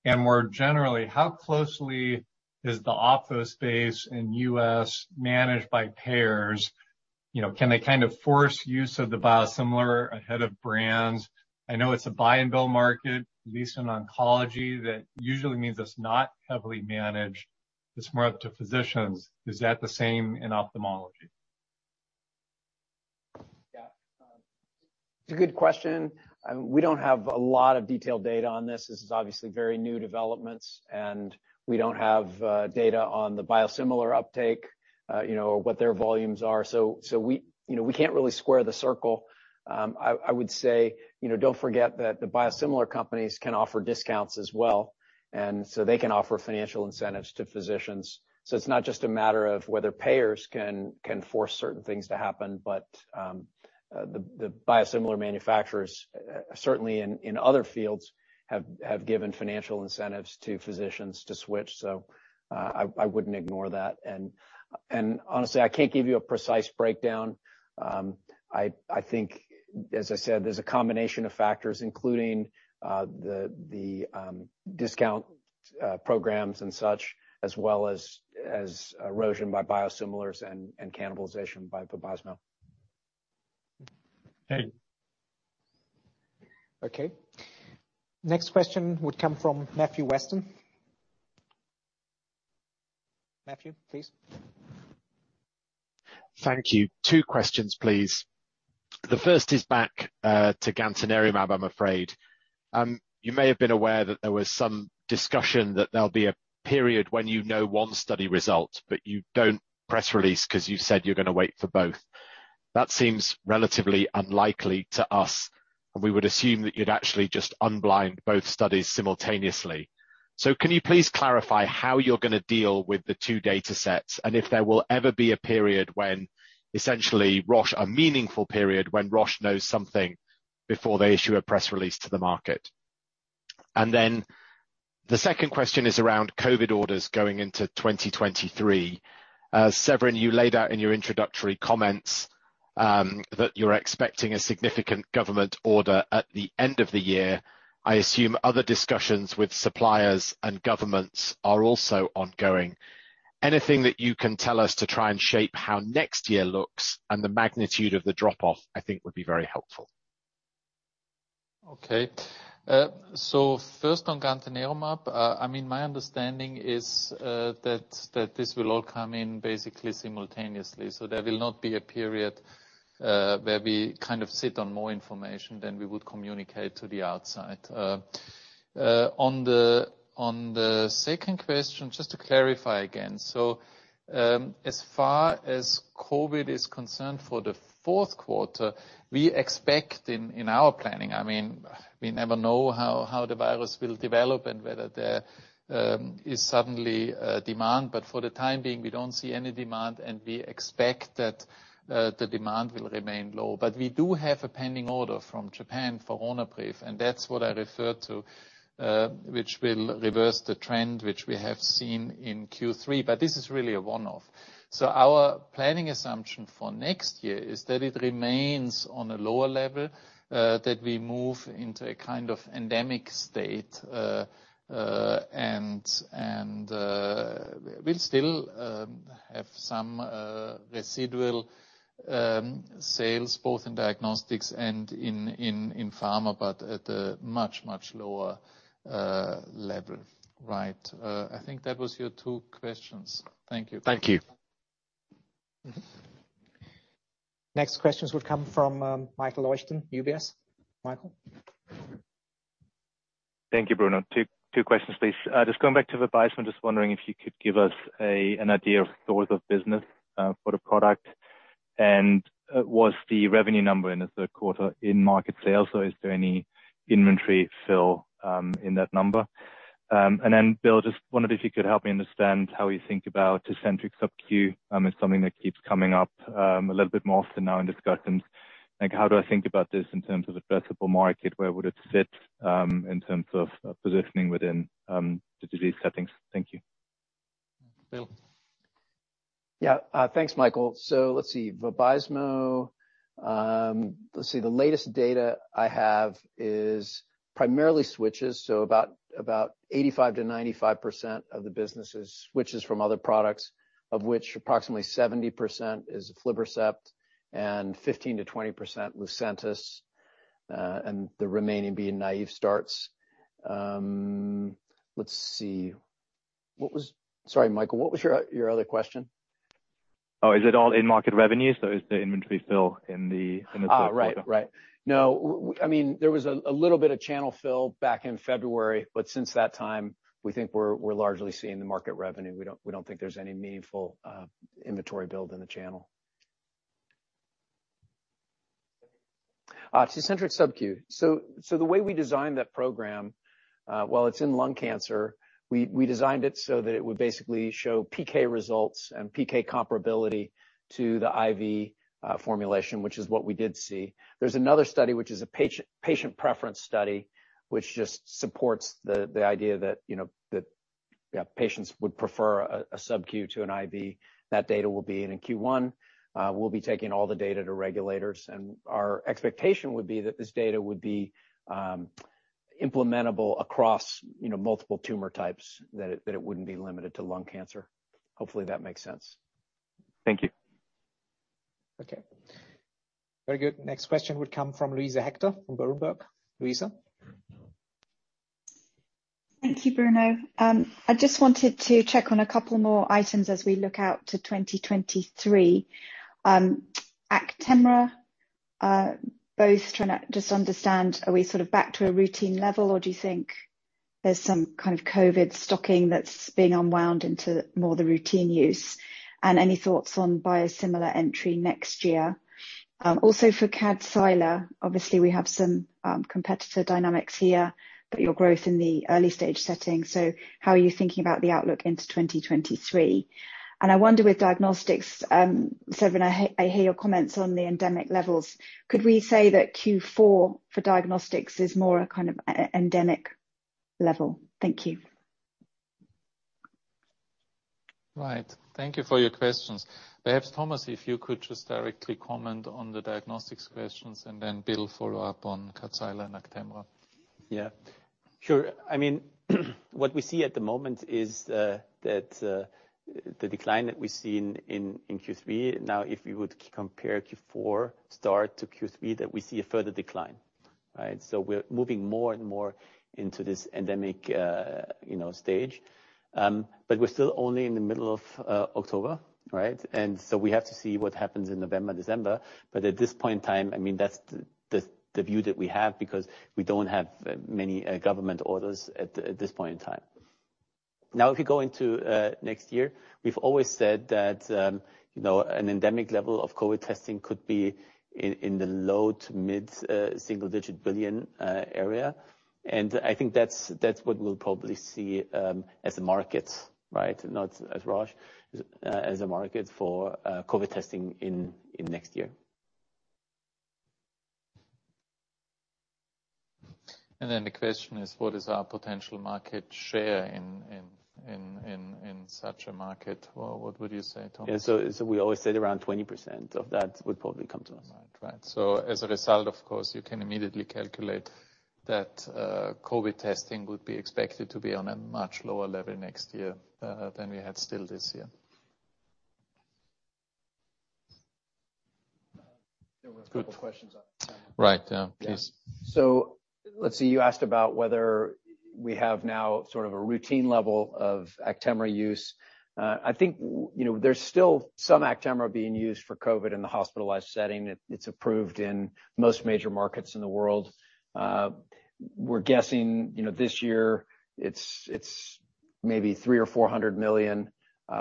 And more generally, how closely is the office space in U.S. managed by payers? You know, can they kind of force use of the biosimilar ahead of brands? I know it's a buy-and-bill market, at least in oncology. That usually means it's not heavily managed, it's more up to physicians. Is that the same in ophthalmology? Yeah. It's a good question. We don't have a lot of detailed data on this. This is obviously very new developments, and we don't have data on the biosimilar uptake, you know, what their volumes are. We can't really square the circle. I would say, you know, don't forget that the biosimilar companies can offer discounts as well, and so they can offer financial incentives to physicians. It's not just a matter of whether payers can force certain things to happen, but the biosimilar manufacturers, certainly in other fields, have given financial incentives to physicians to switch. I wouldn't ignore that. Honestly, I can't give you a precise breakdown. I think, as I said, there's a combination of factors, including the discount programs and such, as well as erosion by biosimilars and cannibalization by Vabysmo. Okay. Okay. Next question would come from Matthew Weston. Matthew, please. Thank you. Two questions, please. The first is back to gantenerumab, I'm afraid. You may have been aware that there was some discussion that there'll be a period when you know one study result, but you don't press release 'cause you said you're gonna wait for both. That seems relatively unlikely to us, and we would assume that you'd actually just unblind both studies simultaneously. Can you please clarify how you're gonna deal with the two data sets, and if there will ever be a period when essentially Roche, a meaningful period when Roche knows something before they issue a press release to the market? The second question is around COVID orders going into 2023. Severin, you laid out in your introductory comments that you're expecting a significant government order at the end of the year. I assume other discussions with suppliers and governments are also ongoing. Anything that you can tell us to try and shape how next year looks and the magnitude of the drop-off, I think would be very helpful. Okay. First on gantenerumab. I mean, my understanding is that this will all come in basically simultaneously. There will not be a period where we kind of sit on more information than we would communicate to the outside. On the second question, just to clarify again. As far as COVID is concerned for the fourth quarter, we expect in our planning, I mean, we never know how the virus will develop and whether there is suddenly a demand. But for the time being, we don't see any demand, and we expect that the demand will remain low. But we do have a pending order from Japan for Ronapreve, and that's what I refer to, which will reverse the trend which we have seen in Q3, but this is really a one-off. Our planning assumption for next year is that it remains on a lower level, that we move into a kind of endemic state, and we'll still have some residual sales both in diagnostics and in pharma, but at a much lower level. Right. I think that was your two questions. Thank you. Thank you. Next questions would come from Michel Oechslin, UBS. Michel? Thank you, Bruno. Two questions, please. Just going back to Vabysmo, just wondering if you could give us an idea of source of business for the product. Was the revenue number in the third quarter in market sales, or is there any inventory fill in that number? Bill, just wondered if you could help me understand how you think about Tecentriq subQ. It's something that keeps coming up a little bit more often now in discussions. Like how do I think about this in terms of addressable market? Where would it fit in terms of positioning within the disease settings? Thank you. Bill. Yeah. Thanks Michel. Let's see. Vabysmo. Let's see, the latest data I have is primarily switches, about 85%-95% of the business is switches from other products, of which approximately 70% is of aflibercept, and 15%-20% Lucentis, and the remaining being naive starts. Let's see. Sorry, Michel, what was your other question? Oh, is it all in market revenue? Is the inventory still in the- Ah. in the system? Right. No. I mean there was a little bit of channel fill back in February, but since that time we think we're largely seeing the market revenue. We don't think there's any meaningful inventory build in the channel. Tecentriq subQ. So the way we designed that program, while it's in lung cancer, we designed it so that it would basically show PK results and PK comparability to the IV formulation, which is what we did see. There's another study, which is a patient preference study, which just supports the idea that, you know, that, yeah, patients would prefer a subQ to an IV. That data will be in Q1. We'll be taking all the data to regulators, and our expectation would be that this data would be implementable across, you know, multiple tumor types, that it wouldn't be limited to lung cancer. Hopefully that makes sense. Thank you. Okay. Very good. Next question would come from Luisa Hector from Berenberg. Luisa. Thank you, Bruno. I just wanted to check on a couple more items as we look out to 2023. Actemra, both trying to just understand, are we sort of back to a routine level, or do you think there's some kind of COVID stocking that's being unwound into more the routine use? And any thoughts on biosimilar entry next year? Also for Kadcyla, obviously, we have some competitor dynamics here, but your growth in the early stage setting, so how are you thinking about the outlook into 2023? And I wonder with diagnostics, Severin, I hear your comments on the endemic levels. Could we say that Q4 for diagnostics is more a kind of endemic level? Thank you. Right. Thank you for your questions. Perhaps, Thomas, if you could just directly comment on the diagnostics questions, and then Bill follow up on Kadcyla and Actemra. Yeah, sure. I mean, what we see at the moment is that the decline that we see in Q3, now, if we would compare Q4 start to Q3, that we see a further decline. Right? We're moving more and more into this endemic, you know, stage. We're still only in the middle of October, right? We have to see what happens in November, December. At this point in time, I mean that's the view that we have because we don't have many government orders at this point in time. Now, if you go into next year, we've always said that, you know, an endemic level of COVID testing could be in the low- to mid-single-digit billion area. I think that's what we'll probably see as a market, right? Not as Roche, as a market for COVID testing in next year. The question is what is our potential market share in such a market? Or what would you say, Thomas? We always said around 20% of that would probably come to us. Right. As a result, of course, you can immediately calculate that, COVID testing would be expected to be on a much lower level next year, than we had still this year. There were a couple questions. Right. Yeah. Please. Let's see. You asked about whether we have now sort of a routine level of Actemra use. I think there's still some Actemra being used for COVID in the hospitalized setting. It's approved in most major markets in the world. We're guessing this year it's maybe 300 million-400 million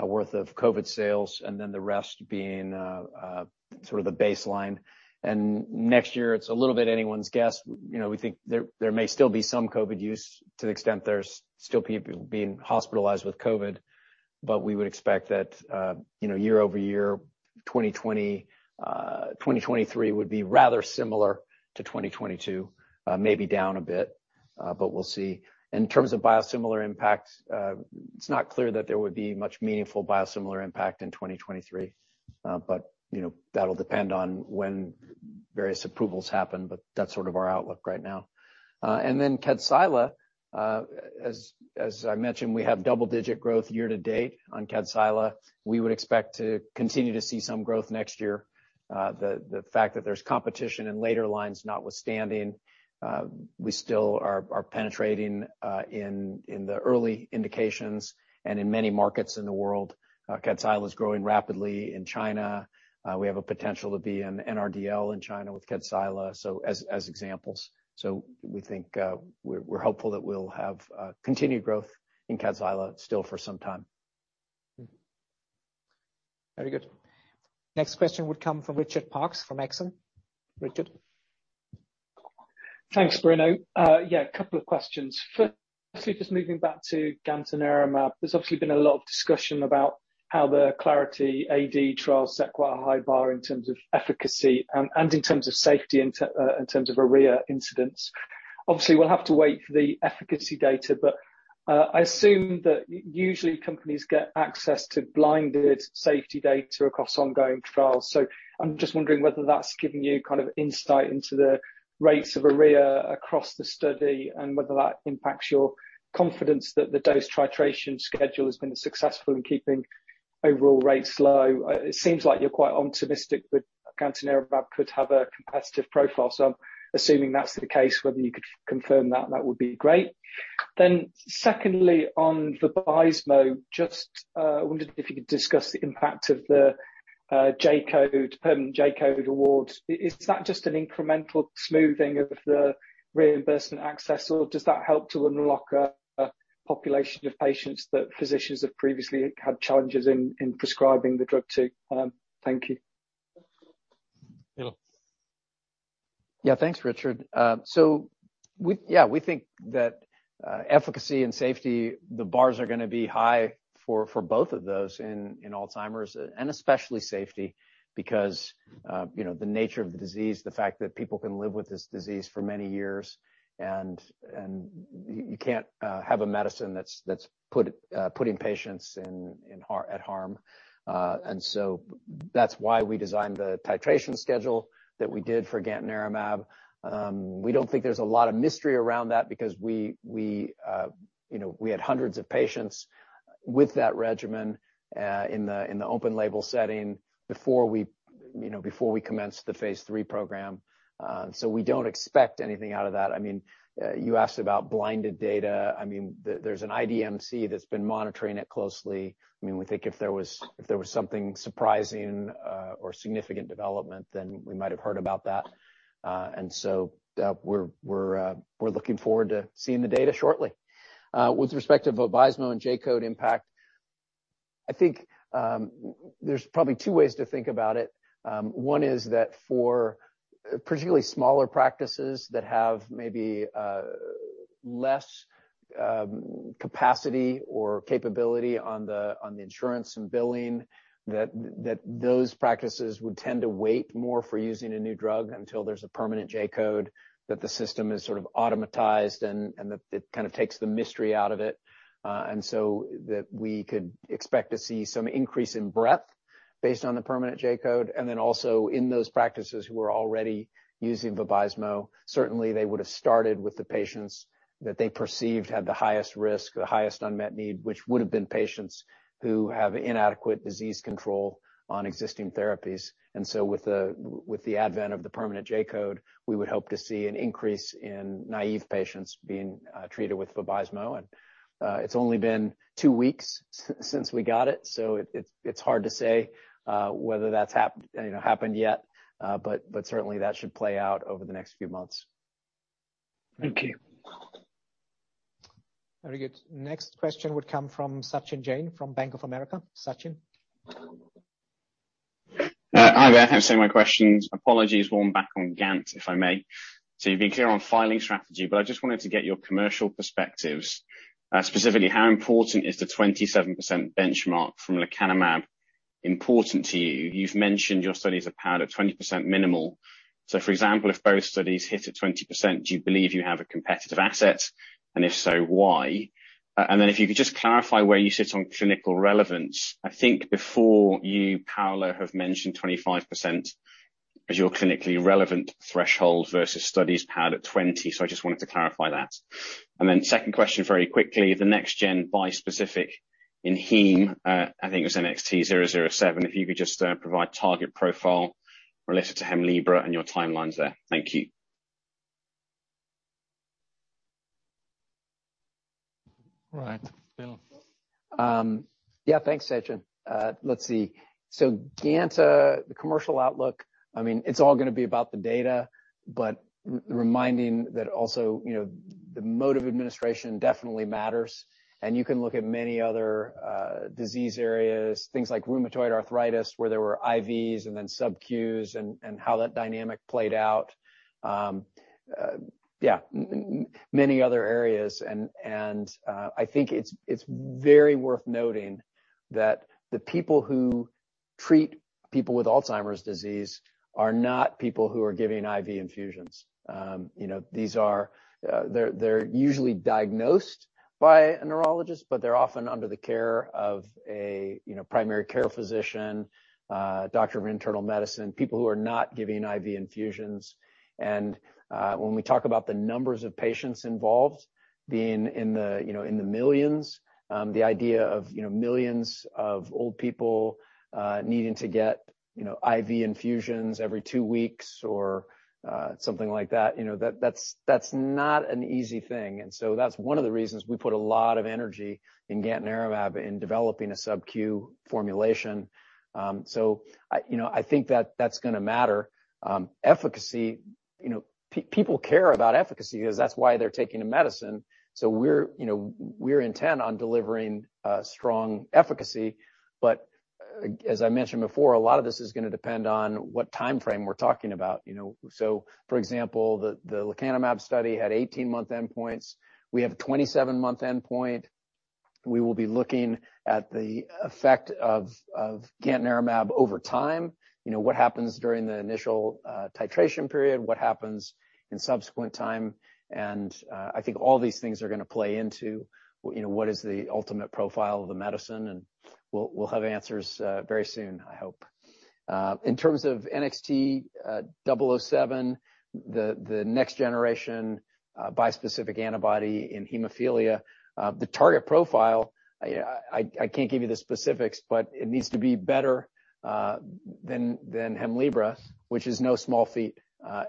worth of COVID sales, and then the rest being sort of the baseline. Next year it's a little bit anyone's guess. We think there may still be some COVID use to the extent there's still people being hospitalized with COVID, but we would expect that year-over-year 2023 would be rather similar to 2022. Maybe down a bit, but we'll see. In terms of biosimilar impact, it's not clear that there would be much meaningful biosimilar impact in 2023. You know, that'll depend on when various approvals happen, but that's sort of our outlook right now. Kadcyla, as I mentioned, we have double-digit growth year-to-date on Kadcyla. We would expect to continue to see some growth next year. The fact that there's competition in later lines notwithstanding, we still are penetrating in the early indications and in many markets in the world. Kadcyla's growing rapidly in China. We have a potential to be an NRDL in China with Kadcyla, so as examples. We think we're hopeful that we'll have continued growth in Kadcyla still for some time. Very good. Next question would come from Richard Parkes, from Exane. Richard. Thanks, Bruno. Yeah, a couple of questions. First, just moving back to gantenerumab. There's obviously been a lot of discussion about how the Clarity AD trial set quite a high bar in terms of efficacy and in terms of safety, in terms of ARIA incidents. Obviously, we'll have to wait for the efficacy data, but I assume that usually companies get access to blinded safety data across ongoing trials. So I'm just wondering whether that's giving you kind of insight into the rates of ARIA across the study, and whether that impacts your confidence that the dose titration schedule has been successful in keeping overall rates low. It seems like you're quite optimistic that gantenerumab could have a competitive profile. So I'm assuming that's the case, whether you could confirm that would be great. Secondly, on the Vabysmo, just wondered if you could discuss the impact of the J-code, permanent J-code award. Is that just an incremental smoothing of the reimbursement access, or does that help to unlock a population of patients that physicians have previously had challenges in prescribing the drug to? Thank you. Bill? Yeah, thanks, Richard. So we think that efficacy and safety, the bars are gonna be high for both of those in Alzheimer's, and especially safety, because you know, the nature of the disease, the fact that people can live with this disease for many years and you can't have a medicine that's putting patients at harm. That's why we designed the titration schedule that we did for gantenerumab. We don't think there's a lot of mystery around that because we you know, we had hundreds of patients with that regimen in the open label setting before we commenced the phase three program. We don't expect anything out of that. I mean, you asked about blinded data. I mean, there's an IDMC that's been monitoring it closely. I mean, we think if there was something surprising or significant development, then we might have heard about that. We're looking forward to seeing the data shortly. With respect to Vabysmo and J-code impact, I think there's probably two ways to think about it. One is that for particularly smaller practices that have maybe less capacity or capability on the insurance and billing that those practices would tend to wait more for using a new drug until there's a permanent J-code, that the system is sort of automated and that it kind of takes the mystery out of it. We could expect to see some increase in breadth based on the permanent J-code. Then also in those practices who are already using Vabysmo, certainly they would have started with the patients that they perceived had the highest risk or highest unmet need, which would have been patients who have inadequate disease control on existing therapies. With the advent of the permanent J-code, we would hope to see an increase in naive patients being treated with Vabysmo. It's only been two weeks since we got it, so it's hard to say whether that's, you know, happened yet. Certainly that should play out over the next few months. Thank you. Very good. Next question would come from Sachin Jain from Bank of America. Sachin? Hi there. Thanks for my questions. Apologies, one back on gantenerumab, if I may. You've been clear on filing strategy, but I just wanted to get your commercial perspectives. Specifically, how important is the 27% benchmark from lecanemab important to you? You've mentioned your studies are powered at 20% minimal. For example, if both studies hit at 20%, do you believe you have a competitive asset? If so, why? And then if you could just clarify where you sit on clinical relevance. I think before you, Paolo, have mentioned 25% as your clinically relevant threshold versus studies powered at 20. I just wanted to clarify that. Second question very quickly, the next gen bispecific in hemophilia, I think it was NXT007, if you could just provide target profile related to Hemlibra and your timelines there. Thank you. All right. Bill? Yeah, thanks, Sachin. Let's see. Gantenerumab, the commercial outlook, I mean, it's all gonna be about the data, but reminding that also, you know, the mode of administration definitely matters. You can look at many other disease areas, things like rheumatoid arthritis, where there were IVs and then subQs and, I think it's very worth noting that the people who treat people with Alzheimer's disease are not people who are giving IV infusions. You know, these are, they're usually diagnosed by a neurologist, but they're often under the care of a, you know, primary care physician, doctor of internal medicine, people who are not giving IV infusions. When we talk about the numbers of patients involved being in the, you know, in the millions, the idea of, you know, millions of old people needing to get, you know, IV infusions every two weeks or something like that, you know, that's not an easy thing. That's one of the reasons we put a lot of energy in gantenerumab in developing a subQ formulation. I think that that's gonna matter. Efficacy, you know, people care about efficacy 'cause that's why they're taking the medicine. We're intent on delivering strong efficacy, but as I mentioned before, a lot of this is going to depend on what time frame we're talking about, you know. For example, the lecanemab study had 18-month endpoints. We have a 27-month endpoint. We will be looking at the effect of gantenerumab over time. You know, what happens during the initial titration period, what happens in subsequent time. I think all these things are going to play into, you know, what is the ultimate profile of the medicine, and we'll have answers very soon, I hope. In terms of NXT007, the next generation bispecific antibody in hemophilia. The target profile, I can't give you the specifics, but it needs to be better than Hemlibra, which is no small feat,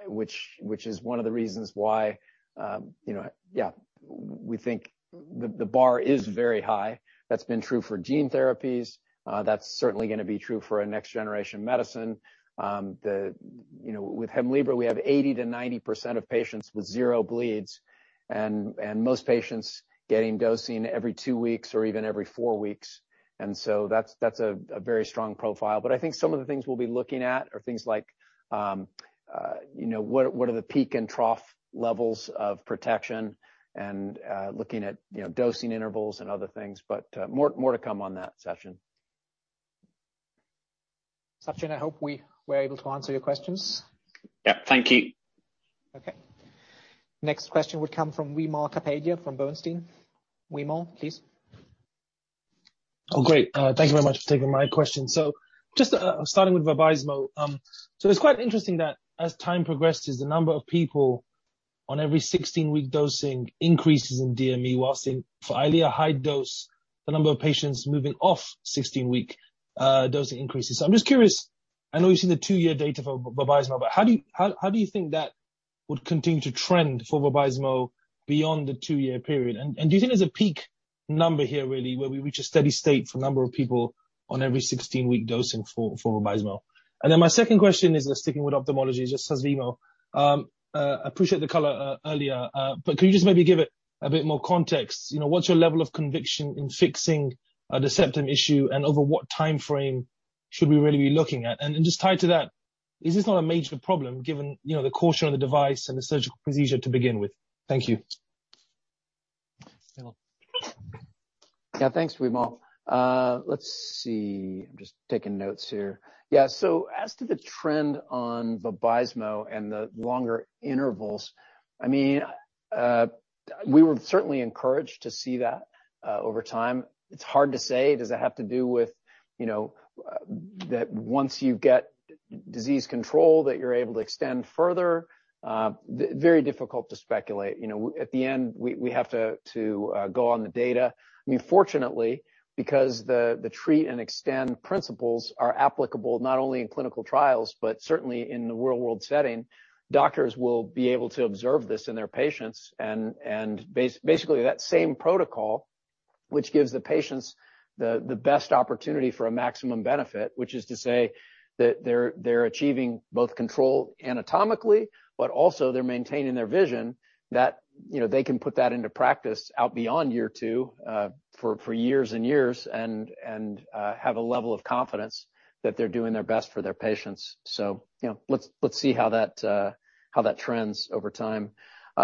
which is one of the reasons why, you know, yeah, we think the bar is very high. That's been true for gene therapies. That's certainly gonna be true for a next-generation medicine. you know, with Hemlibra, we have 80%-90% of patients with zero bleeds and most patients getting dosing every two weeks or even every four weeks. That's a very strong profile. I think some of the things we'll be looking at are things like, you know, what are the peak and trough levels of protection and looking at, you know, dosing intervals and other things, but more to come on that, Sachin. Sachin, I hope we were able to answer your questions. Yeah. Thank you. Okay. Next question would come from Wimal Kapadia, from Bernstein. Wimal, please. Oh, great. Thank you very much for taking my question. Just starting with Vabysmo. It's quite interesting that as time progresses, the number of people on every 16-week dosing increases in DME, while for Eylea high dose, the number of patients moving off 16-week dosing increases. I'm just curious. I know you've seen the two-year data for Vabysmo, but how do you think that would continue to trend for Vabysmo beyond the two-year period? And do you think there's a peak number here, really, where we reach a steady state for the number of people on every 16-week dosing for Vabysmo? Then my second question is, just sticking with ophthalmology, just Susvimo. Appreciate the color earlier, but could you just maybe give it a bit more context? You know, what's your level of conviction in fixing the septum issue and over what time frame should we really be looking at? Then just tied to that, is this not a major problem given, you know, the caution of the device and the surgical procedure to begin with? Thank you. Wimal. Thanks, Wimal. Let's see. I'm just taking notes here. Yeah. As to the trend on Vabysmo and the longer intervals, I mean, we were certainly encouraged to see that over time. It's hard to say does it have to do with, you know, that once you get disease control, that you're able to extend further. Very difficult to speculate. You know, at the end, we have to go on the data. I mean, fortunately, because the treat and extend principles are applicable not only in clinical trials, but certainly in the real-world setting, doctors will be able to observe this in their patients and basically that same protocol, which gives the patients the best opportunity for a maximum benefit, which is to say that they're achieving both control anatomically, but also they're maintaining their vision that, you know, they can put that into practice out beyond year two, for years and years and have a level of confidence that they're doing their best for their patients. You know, let's see how that trends over time.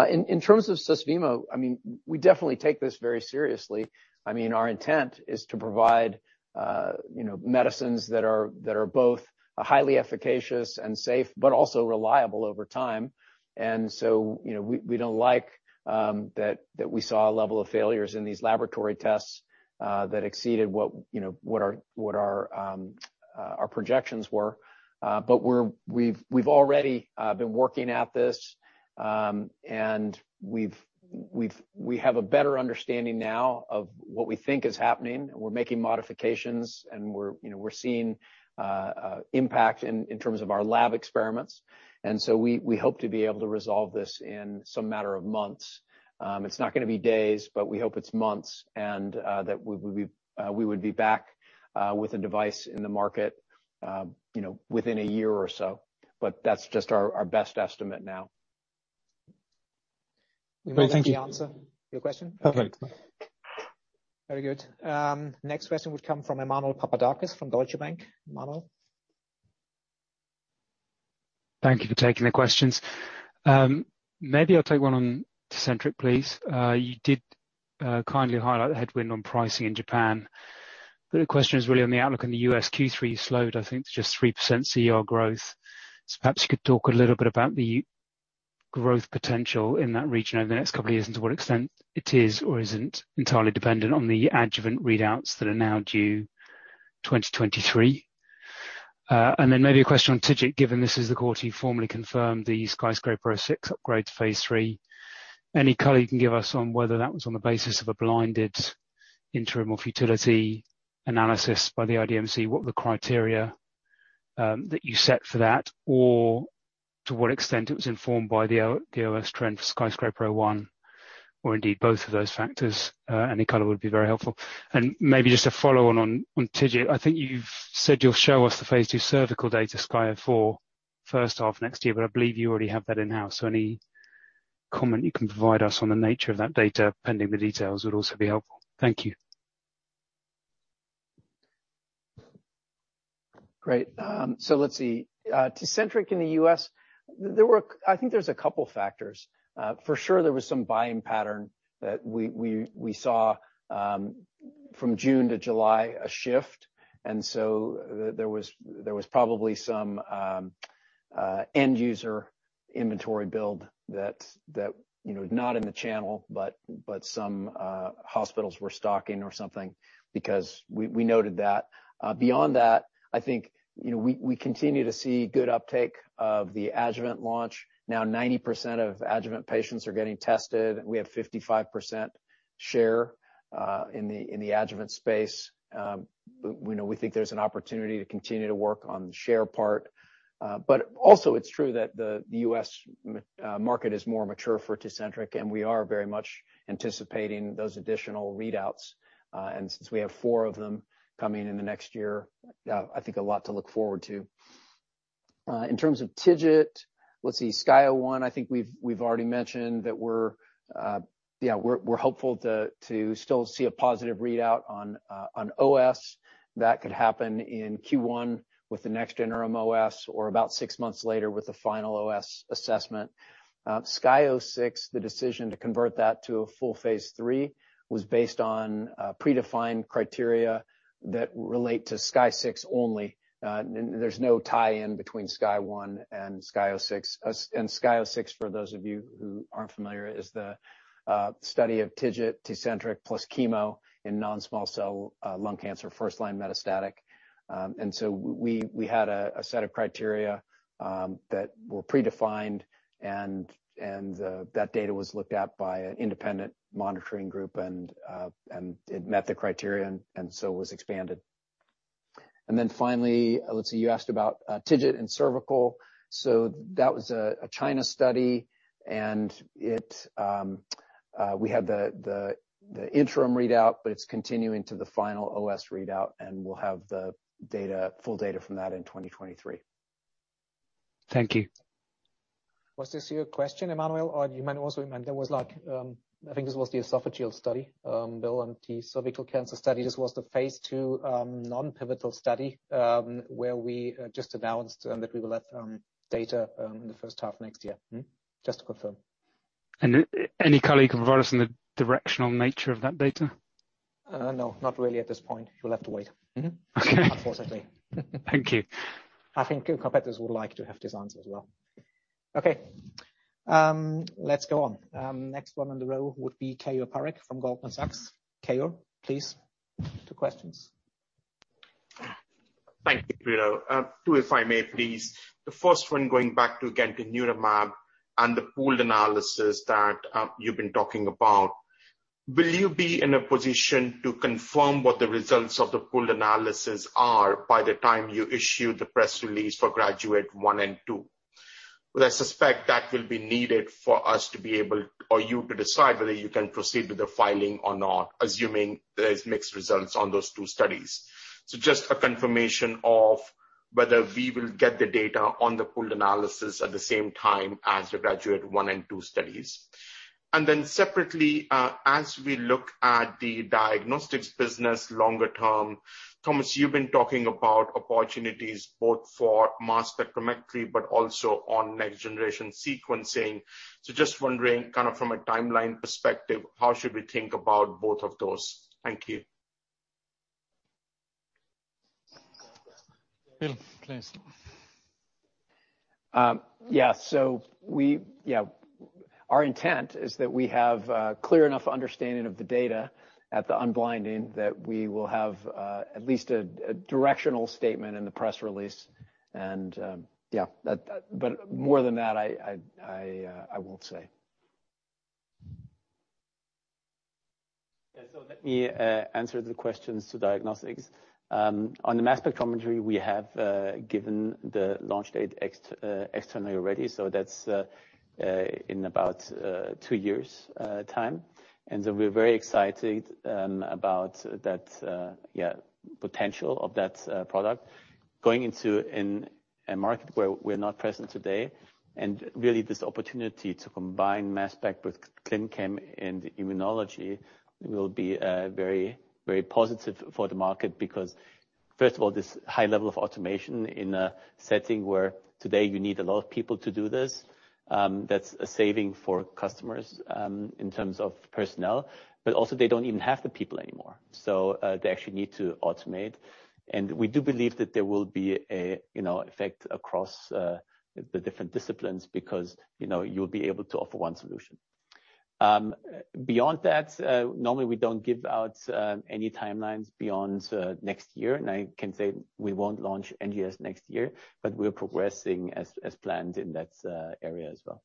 In terms of Susvimo, I mean, we definitely take this very seriously. I mean, our intent is to provide, you know, medicines that are both highly efficacious and safe, but also reliable over time. You know, we don't like that we saw a level of failures in these laboratory tests that exceeded, you know, what our projections were. We've already been working at this, and we have a better understanding now of what we think is happening, and we're making modifications, and we're, you know, seeing impact in terms of our lab experiments. We hope to be able to resolve this in a matter of months. It's not gonna be days, but we hope it's months and that we would be back with a device in the market, you know, within a year or so. That's just our best estimate now. Wimal, did we answer your question? Perfect. Very good. Next question would come from Emmanuel Papadakis from Deutsche Bank. Emmanuel. Thank you for taking the questions. Maybe I'll take one on Tecentriq, please. You did kindly highlight the headwind on pricing in Japan, but the question is really on the outlook in the U.S. Q3 slowed, I think, to just 3% CER growth. Perhaps you could talk a little bit about the growth potential in that region over the next couple of years, and to what extent it is or isn't entirely dependent on the adjuvant readouts that are now due 2023. Then maybe a question on TIGIT, given this is the quarter you formally confirmed the SKYSCRAPER-06 upgrade to phase III. Any color you can give us on whether that was on the basis of a blinded interim or futility analysis by the IDMC, what were the criteria that you set for that? To what extent it was informed by the OS trend for SKYSCRAPER-01, or indeed both of those factors, any color would be very helpful. Maybe just a follow-on on TIGIT. I think you've said you'll show us the Phase II cervical data, SKYSCRAPER-04 first half next year, but I believe you already have that in-house. Any comment you can provide us on the nature of that data, pending the details, would also be helpful. Thank you. Great. So let's see. Tecentriq in the U.S., I think there's a couple factors. For sure, there was some buying pattern that we saw from June to July, a shift. There was probably some end user inventory build that's you know not in the channel, but some hospitals were stocking or something, because we noted that. Beyond that, I think you know we continue to see good uptake of the adjuvant launch. Now 90% of adjuvant patients are getting tested. We have 55% share in the adjuvant space. We know we think there's an opportunity to continue to work on the share part. Also it's true that the U.S. market is more mature for Tecentriq, and we are very much anticipating those additional readouts. Since we have four of them coming in the next year, I think a lot to look forward to. In terms of TIGIT, SKY01, I think we've already mentioned that we're hopeful to still see a positive readout on OS. That could happen in Q1 with the next interim OS, or about six months later with the final OS assessment. SKY06, the decision to convert that to a full phase III was based on predefined criteria that relate to SKY-06 only. There's no tie-in between SKY-01 and SKY06. SKY06, for those of you who aren't familiar, is the study of TIGIT, Tecentriq, plus chemo in non-small cell lung cancer, first line metastatic. We had a set of criteria that were predefined and that data was looked at by an independent monitoring group, and it met the criteria and so was expanded. Finally, let's see, you asked about TIGIT and cervical. That was a China study, and we had the interim readout, but it's continuing to the final OS readout, and we'll have the data, full data from that in 2023. Thank you. Was this your question, Emmanuel? Or you might also remember, it was like, I think this was the esophageal study, Bill, and the cervical cancer study. This was the phase two non-pivotal study where we just announced that we will have data in the first half of next year. Mm-hmm. Just to confirm. Any color you can provide us in the directional nature of that data? No, not really at this point. You'll have to wait. Mm-hmm. Okay. Unfortunately. Thank you. I think competitors would like to have these answers as well. Okay. Let's go on. Next one on the row would be Keyur Parekh from Goldman Sachs. Keyur, please, two questions. Thank you, Bruno. Two, if I may, please. The first one, going back to gantenerumab and the pooled analysis that you've been talking about. Will you be in a position to confirm what the results of the pooled analysis are by the time you issue the press release for GRADUATE I and II? Well, I suspect that will be needed for us to be able or you to decide whether you can proceed with the filing or not, assuming there's mixed results on those two studies. Just a confirmation of whether we will get the data on the pooled analysis at the same time as the GRADUATE I and II studies. Then separately, as we look at the diagnostics business longer-term, Thomas, you've been talking about opportunities both for mass spectrometry, but also on next-generation sequencing. Just wondering, kind of from a timeline perspective, how should we think about both of those? Thank you. Bill, please. Yeah, our intent is that we have clear enough understanding of the data at the unblinding that we will have at least a directional statement in the press release. Yeah. That. More than that, I won't say. Let me answer the questions to diagnostics. On the mass spectrometry, we have given the launch date externally already, so that's in about two years' time. We're very excited about that potential of that product. Going into a market where we're not present today, and really this opportunity to combine mass spec with clin chem and immunology will be very, very positive for the market. Because first of all, this high level of automation in a setting where today you need a lot of people to do this, that's a saving for customers in terms of personnel. But also they don't even have the people anymore, so they actually need to automate. We do believe that there will be a, you know, effect across the different disciplines because, you know, you'll be able to offer one solution. Beyond that, normally we don't give out any timelines beyond next year. I can say we won't launch NGS next year, but we're progressing as planned in that area as well.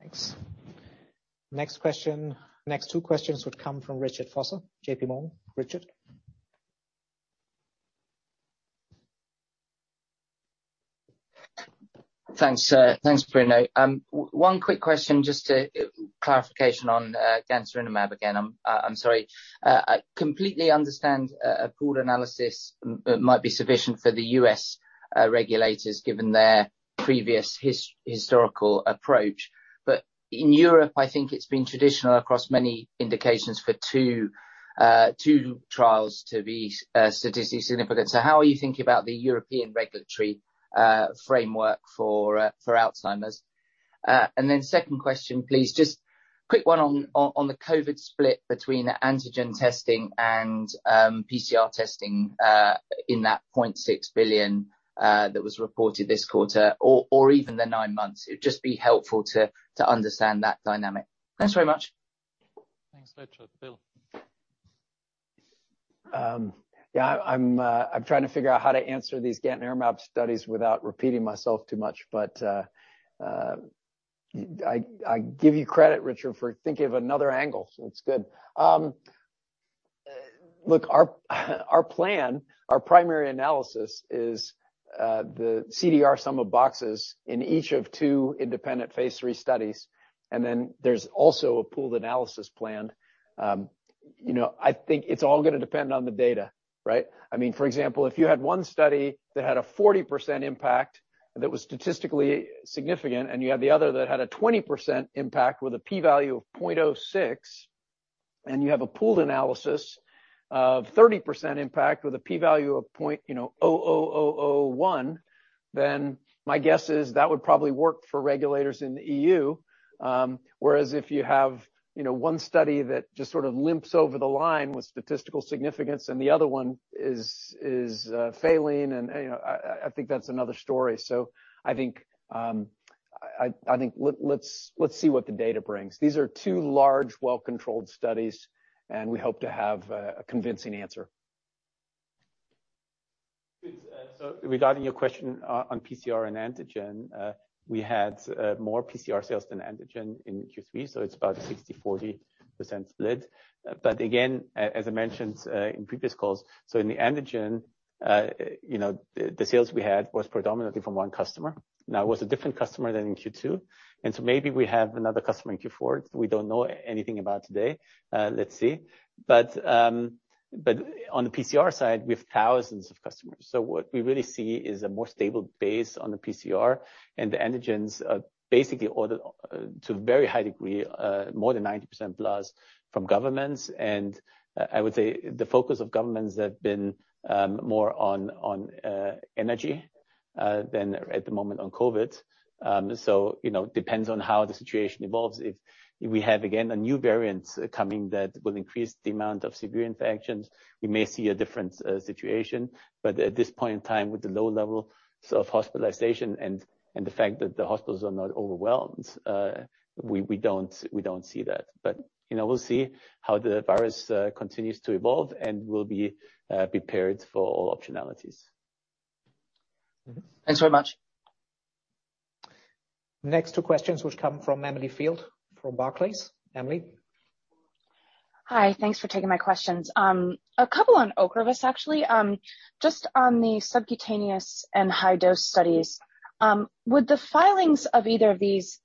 Thanks. Next question. Next two questions would come from Richard Vosser, J.P. Morgan. Richard? Thanks, Bruno. One quick question just to clarification on gantenerumab again. I'm sorry. I completely understand a pooled analysis might be sufficient for the U.S. regulators given their previous historical approach. In Europe, I think it's been traditional across many indications for two trials to be statistically significant. How are you thinking about the European regulatory framework for Alzheimer's? And then second question, please, just a quick one on the COVID split between antigen testing and PCR testing in that 0.6 billion that was reported this quarter or even the nine months. It'd just be helpful to understand that dynamic. Thanks very much. Thanks, Richard. Bill. Yeah, I'm trying to figure out how to answer these gantenerumab studies without repeating myself too much. I give you credit, Richard, for thinking of another angle, so it's good. Look, our plan, our primary analysis is the CDR Sum of Boxes in each of two independent phase III studies. There's also a pooled analysis plan. You know, I think it's all gonna depend on the data, right? I mean, for example, if you had one study that had a 40% impact that was statistically significant, and you had the other that had a 20% impact with a P value of 0.06, and you have a pooled analysis of 30% impact with a P value of 0.01, then my guess is that would probably work for regulators in the EU. Whereas, if you have one study that just sort of limps over the line with statistical significance and the other one is failing and I think that's another story. I think let's see what the data brings. These are two large, well-controlled studies, and we hope to have a convincing answer. Good. Regarding your question on PCR and antigen, we had more PCR sales than antigen in Q3, so it's about 60%-40% split. Again, as I mentioned in previous calls, so in the antigen, you know, the sales we had was predominantly from one customer. Now, it was a different customer than in Q2, and so maybe we have another customer in Q4 that we don't know anything about today. Let's see. On the PCR side, we have thousands of customers. What we really see is a more stable base on the PCR and the antigens are basically orders to a very high degree more than 90% plus from governments. I would say the focus of governments have been more on energy than at the moment on COVID. You know, depends on how the situation evolves. If we have, again, a new variant coming that will increase the amount of severe infections, we may see a different situation. At this point in time, with the low levels of hospitalization and the fact that the hospitals are not overwhelmed, we don't see that. You know, we'll see how the virus continues to evolve and we'll be prepared for all optionalities. Thanks very much. Next two questions, which come from Emily Field, from Barclays. Emily? Hi. Thanks for taking my questions. A couple on Ocrevus, actually. Just on the subcutaneous and high-dose studies, would the filings of either of these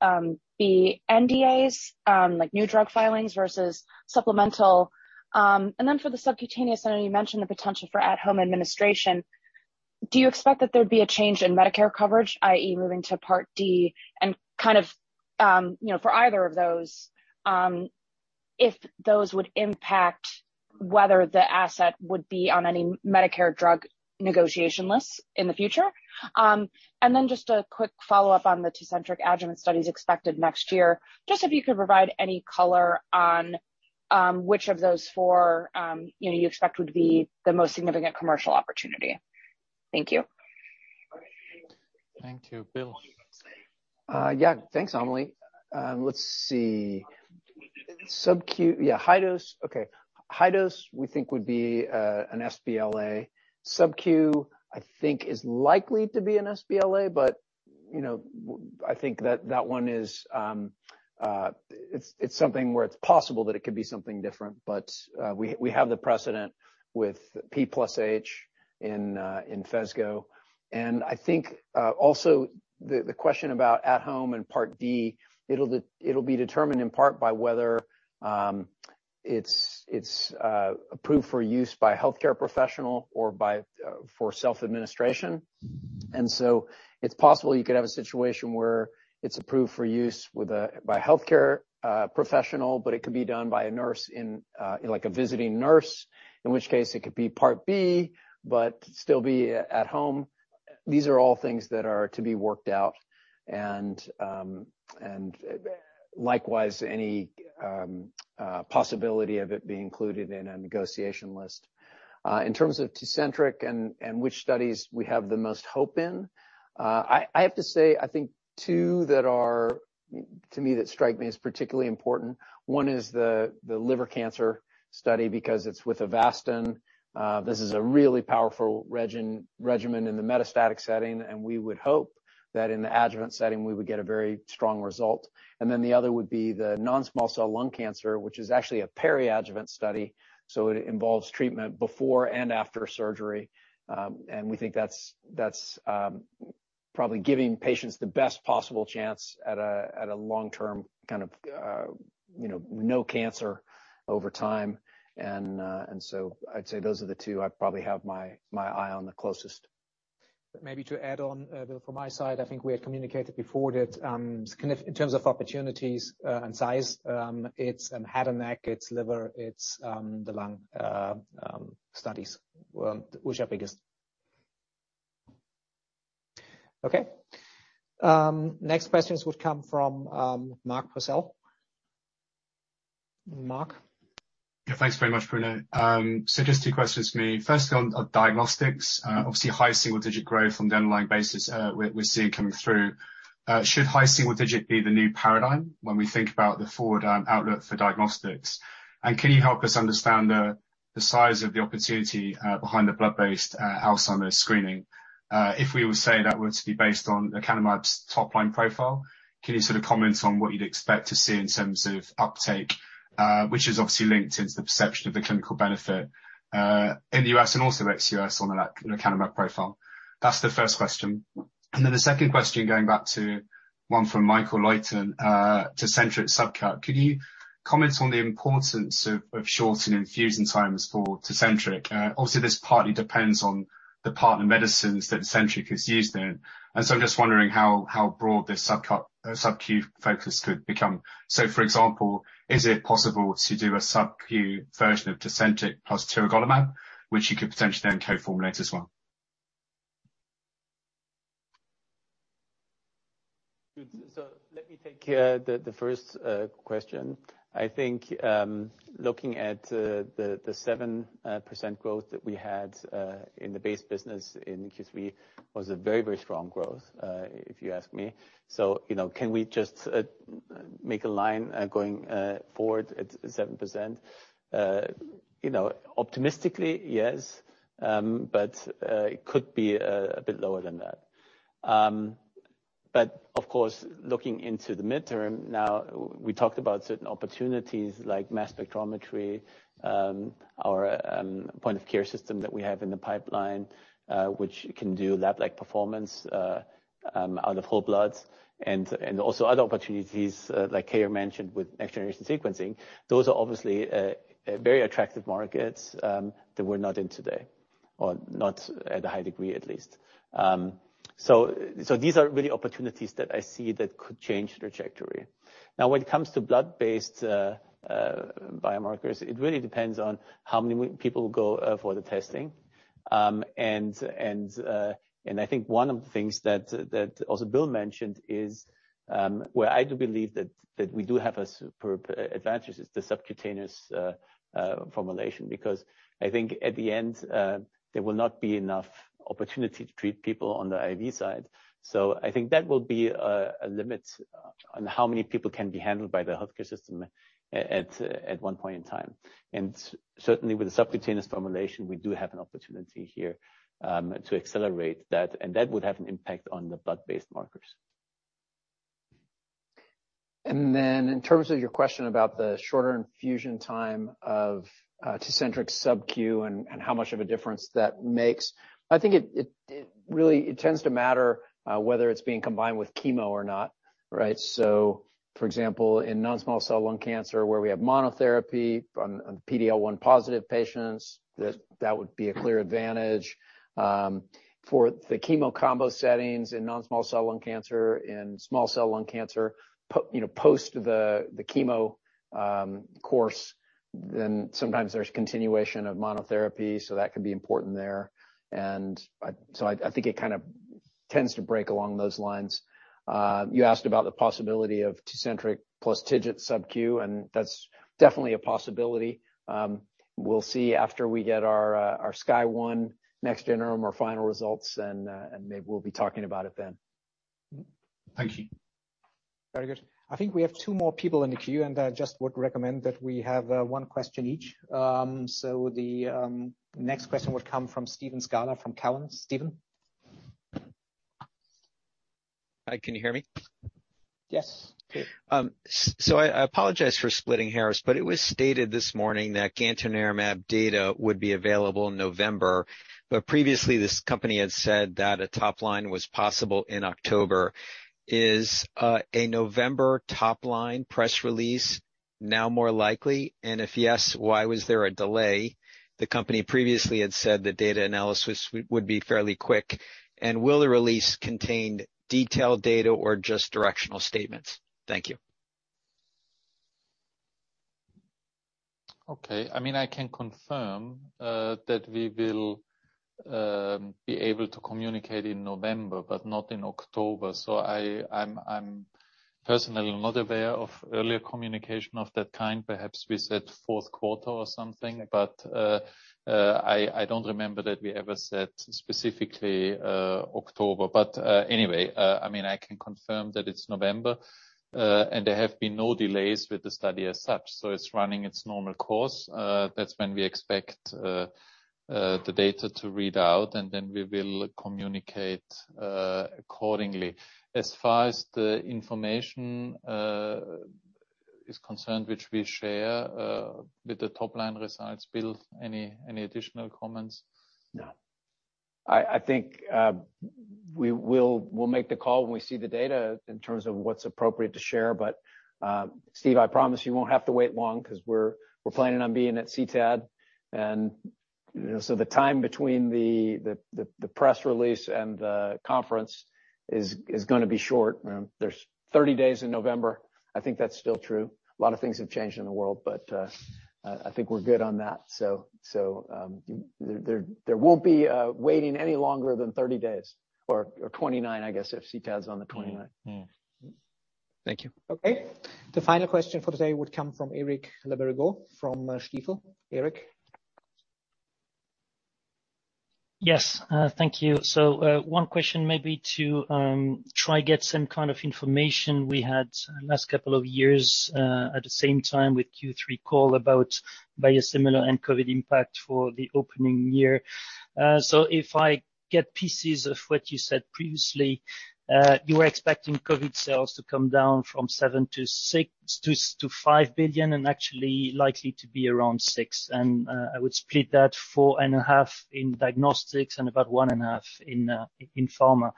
be NDAs, like new drug filings versus supplemental? And then for the subcutaneous, I know you mentioned the potential for at-home administration. Do you expect that there'd be a change in Medicare coverage, i.e., moving to Part D? And kind of, you know, for either of those, if those would impact whether the asset would be on any Medicare drug negotiation lists in the future. And then just a quick follow-up on the Tecentriq adjuvant studies expected next year. Just if you could provide any color on which of those four you know you expect would be the most significant commercial opportunity. Thank you. Thank you. Bill? Yeah. Thanks, Emily. Let's see. Subcu. Yeah, high dose. Okay. High dose we think would be an sBLA. Subcu, I think is likely to be an sBLA, but you know, I think that one is something where it's possible that it could be something different. We have the precedent with P plus H in Phesgo. I think also the question about at home and Part D, it'll be determined in part by whether it's approved for use by a healthcare professional or for self-administration. It's possible you could have a situation where it's approved for use by a healthcare professional, but it could be done by a nurse in like a visiting nurse, in which case it could be Part B but still be at home. These are all things that are to be worked out and likewise any possibility of it being included in a negotiation list. In terms of Tecentriq and which studies we have the most hope in, I have to say, I think two that are, to me, that strike me as particularly important, one is the liver cancer study because it's with Avastin. This is a really powerful regimen in the metastatic setting, and we would hope that in the adjuvant setting we would get a very strong result. Then the other would be the non-small cell lung cancer, which is actually a peri-adjuvant study, so it involves treatment before and after surgery. We think that's probably giving patients the best possible chance at a long-term kind of, you know, no cancer over time. I'd say those are the two I probably have my eye on the closest. Maybe to add on, Bill, from my side, I think we had communicated before that, significant in terms of opportunities, and size, it's head and neck, it's liver, it's the lung studies, which are biggest. Okay. Next questions would come from Mark Purcell. Mark? Yeah, thanks very much, Bruno. So just two questions for me. Firstly on diagnostics. Obviously high single-digit growth from the underlying basis, we're seeing coming through. Should high single-digit be the new paradigm when we think about the forward outlook for diagnostics? Can you help us understand the size of the opportunity behind the blood-based Alzheimer's screening? If we were to say that it were to be based on lecanemab's top-line profile, can you sort of comment on what you'd expect to see in terms of uptake, which is obviously linked into the perception of the clinical benefit in the U.S. and also ex-U.S. On the lecanemab profile? That's the first question. The second question, going back to one from Michel Oechslin, Tecentriq subcut. Could you comment on the importance of shortened infusion times for Tecentriq? Obviously this partly depends on the partner medicines that Tecentriq is used in. I'm just wondering how broad this subcu focus could become. For example, is it possible to do a subcu version of Tecentriq plus tiragolumab, which you could potentially then co-formulate as well? Good. Let me take the first question. I think looking at the 7% growth that we had in the base business in Q3 was a very, very strong growth if you ask me. You know, can we just make a line going forward at 7%? You know, optimistically, yes. But it could be a bit lower than that. But of course, looking into the midterm now, we talked about certain opportunities like mass spectrometry, our point of care system that we have in the pipeline, which can do lab-like performance out of whole bloods and also other opportunities like Keyur mentioned with next generation sequencing. Those are obviously very attractive markets that we're not in today, or not at a high degree at least. These are really opportunities that I see that could change trajectory. Now, when it comes to blood-based biomarkers, it really depends on how many people go for the testing. I think one of the things that also Bill mentioned is where I do believe that we do have a super advantage is the subcutaneous formulation, because I think at the end there will not be enough opportunity to treat people on the IV side. I think that will be a limit on how many people can be handled by the healthcare system at one point in time. Certainly with the subcutaneous formulation, we do have an opportunity here to accelerate that, and that would have an impact on the blood-based markers. In terms of your question about the shorter infusion time of Tecentriq subcu and how much of a difference that makes, I think it really tends to matter whether it's being combined with chemo or not, right? For example, in non-small cell lung cancer, where we have monotherapy on PDL1 positive patients, that would be a clear advantage. For the chemo combo settings in non-small cell lung cancer and small cell lung cancer, you know, post the chemo course, then sometimes there's continuation of monotherapy, so that could be important there. I think it kind of tends to break along those lines. You asked about the possibility of Tecentriq plus TIGIT subcu, and that's definitely a possibility. We'll see after we get our SKY01 next interim or final results, and maybe we'll be talking about it then. Thank you. Very good. I think we have two more people in the queue, and I just would recommend that we have one question each. So the next question would come from Steven Scala from Cowen. Steven? Hi, can you hear me? Yes. Great. So I apologize for splitting hairs, but it was stated this morning that gantenerumab data would be available in November. Previously, this company had said that a top line was possible in October. Is a November top line press release now more likely? And if yes, why was there a delay? The company previously had said the data analysis would be fairly quick. And will the release contain detailed data or just directional statements? Thank you. Okay. I mean, I can confirm that we will be able to communicate in November, but not in October. I personally am not aware of earlier communication of that kind. Perhaps we said fourth quarter or something. I don't remember that we ever said specifically October. Anyway, I mean, I can confirm that it's November, and there have been no delays with the study as such. It's running its normal course. That's when we expect the data to read out, and then we will communicate accordingly. As far as the information is concerned, which we share with the top line results. Bill, any additional comments? No. I think we'll make the call when we see the data in terms of what's appropriate to share. Steve, I promise you won't have to wait long 'cause we're planning on being at CTAD. You know, the time between the press release and the conference is gonna be short. There's 30 days in November. I think that's still true. A lot of things have changed in the world. I think we're good on that. There won't be waiting any longer than 30 days or 29, I guess, if CTAD's on the 29th. Mm-hmm. Mm-hmm. Thank you. Okay. The final question for today would come from Eric Le Berrigaud from Stifel. Eric? Yes, thank you. One question maybe to try to get some kind of information we had last couple of years at the same time with Q3 call about biosimilars and COVID impact for the ongoing year. If I get pieces of what you said previously, you were expecting COVID sales to come down from $7-$6-$5 billion, and actually likely to be around $6. I would split that 4.5 in diagnostics and about 1.5 in pharma.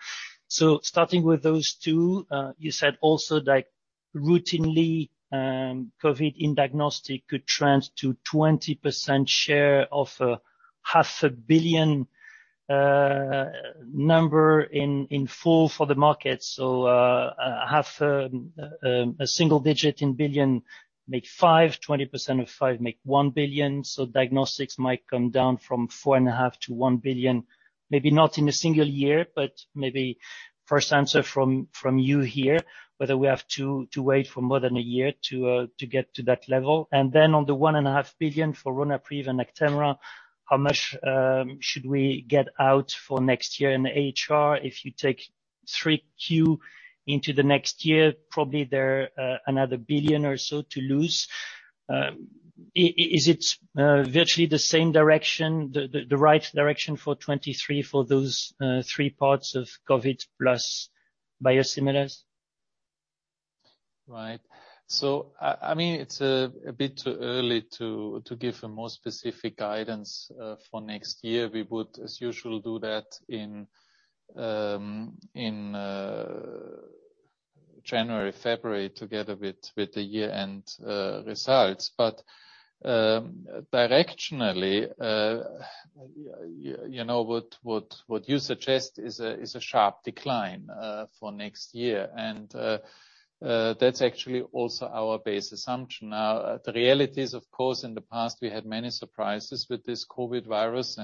Starting with those two, you said also that routinely COVID in diagnostics could trend to 20% share of half a billion number in full for the market. A half, a single digit in billion make $5. 20% of 5 make 1 billion. Diagnostics might come down from 4.5 billion to 1 billion, maybe not in a single year, but maybe first answer from you here, whether we have to wait for more than a year to get to that level. Then on the 1.5 billion for Ronapreve and Actemra, how much should we get out for next year in H2 if you take 3Q into the next year, probably there another 1 billion or so to lose. Is it virtually the same direction, the right direction for 2023 for those three parts of COVID plus biosimilars? Right. I mean, it's a bit too early to give a more specific guidance for next year. We would, as usual, do that in January, February together with the year-end results. Directionally, you know, what you suggest is a sharp decline for next year. That's actually also our base assumption. Now, the reality is, of course, in the past we had many surprises with this COVID virus.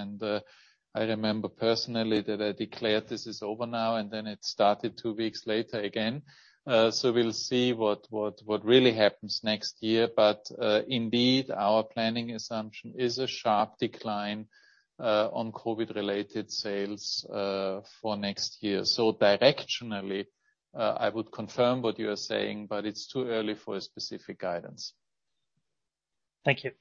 I remember personally that I declared this is over now, and then it started two weeks later again. We'll see what really happens next year. Indeed, our planning assumption is a sharp decline on COVID-related sales for next year. Directionally, I would confirm what you are saying, but it's too early for a specific guidance. Thank you.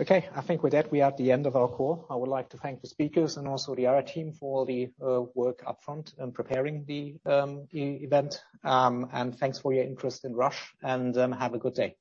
Okay. I think with that, we are at the end of our call. I would like to thank the speakers and also the IR team for all the work upfront in preparing the event. Thanks for your interest in Roche, and have a good day.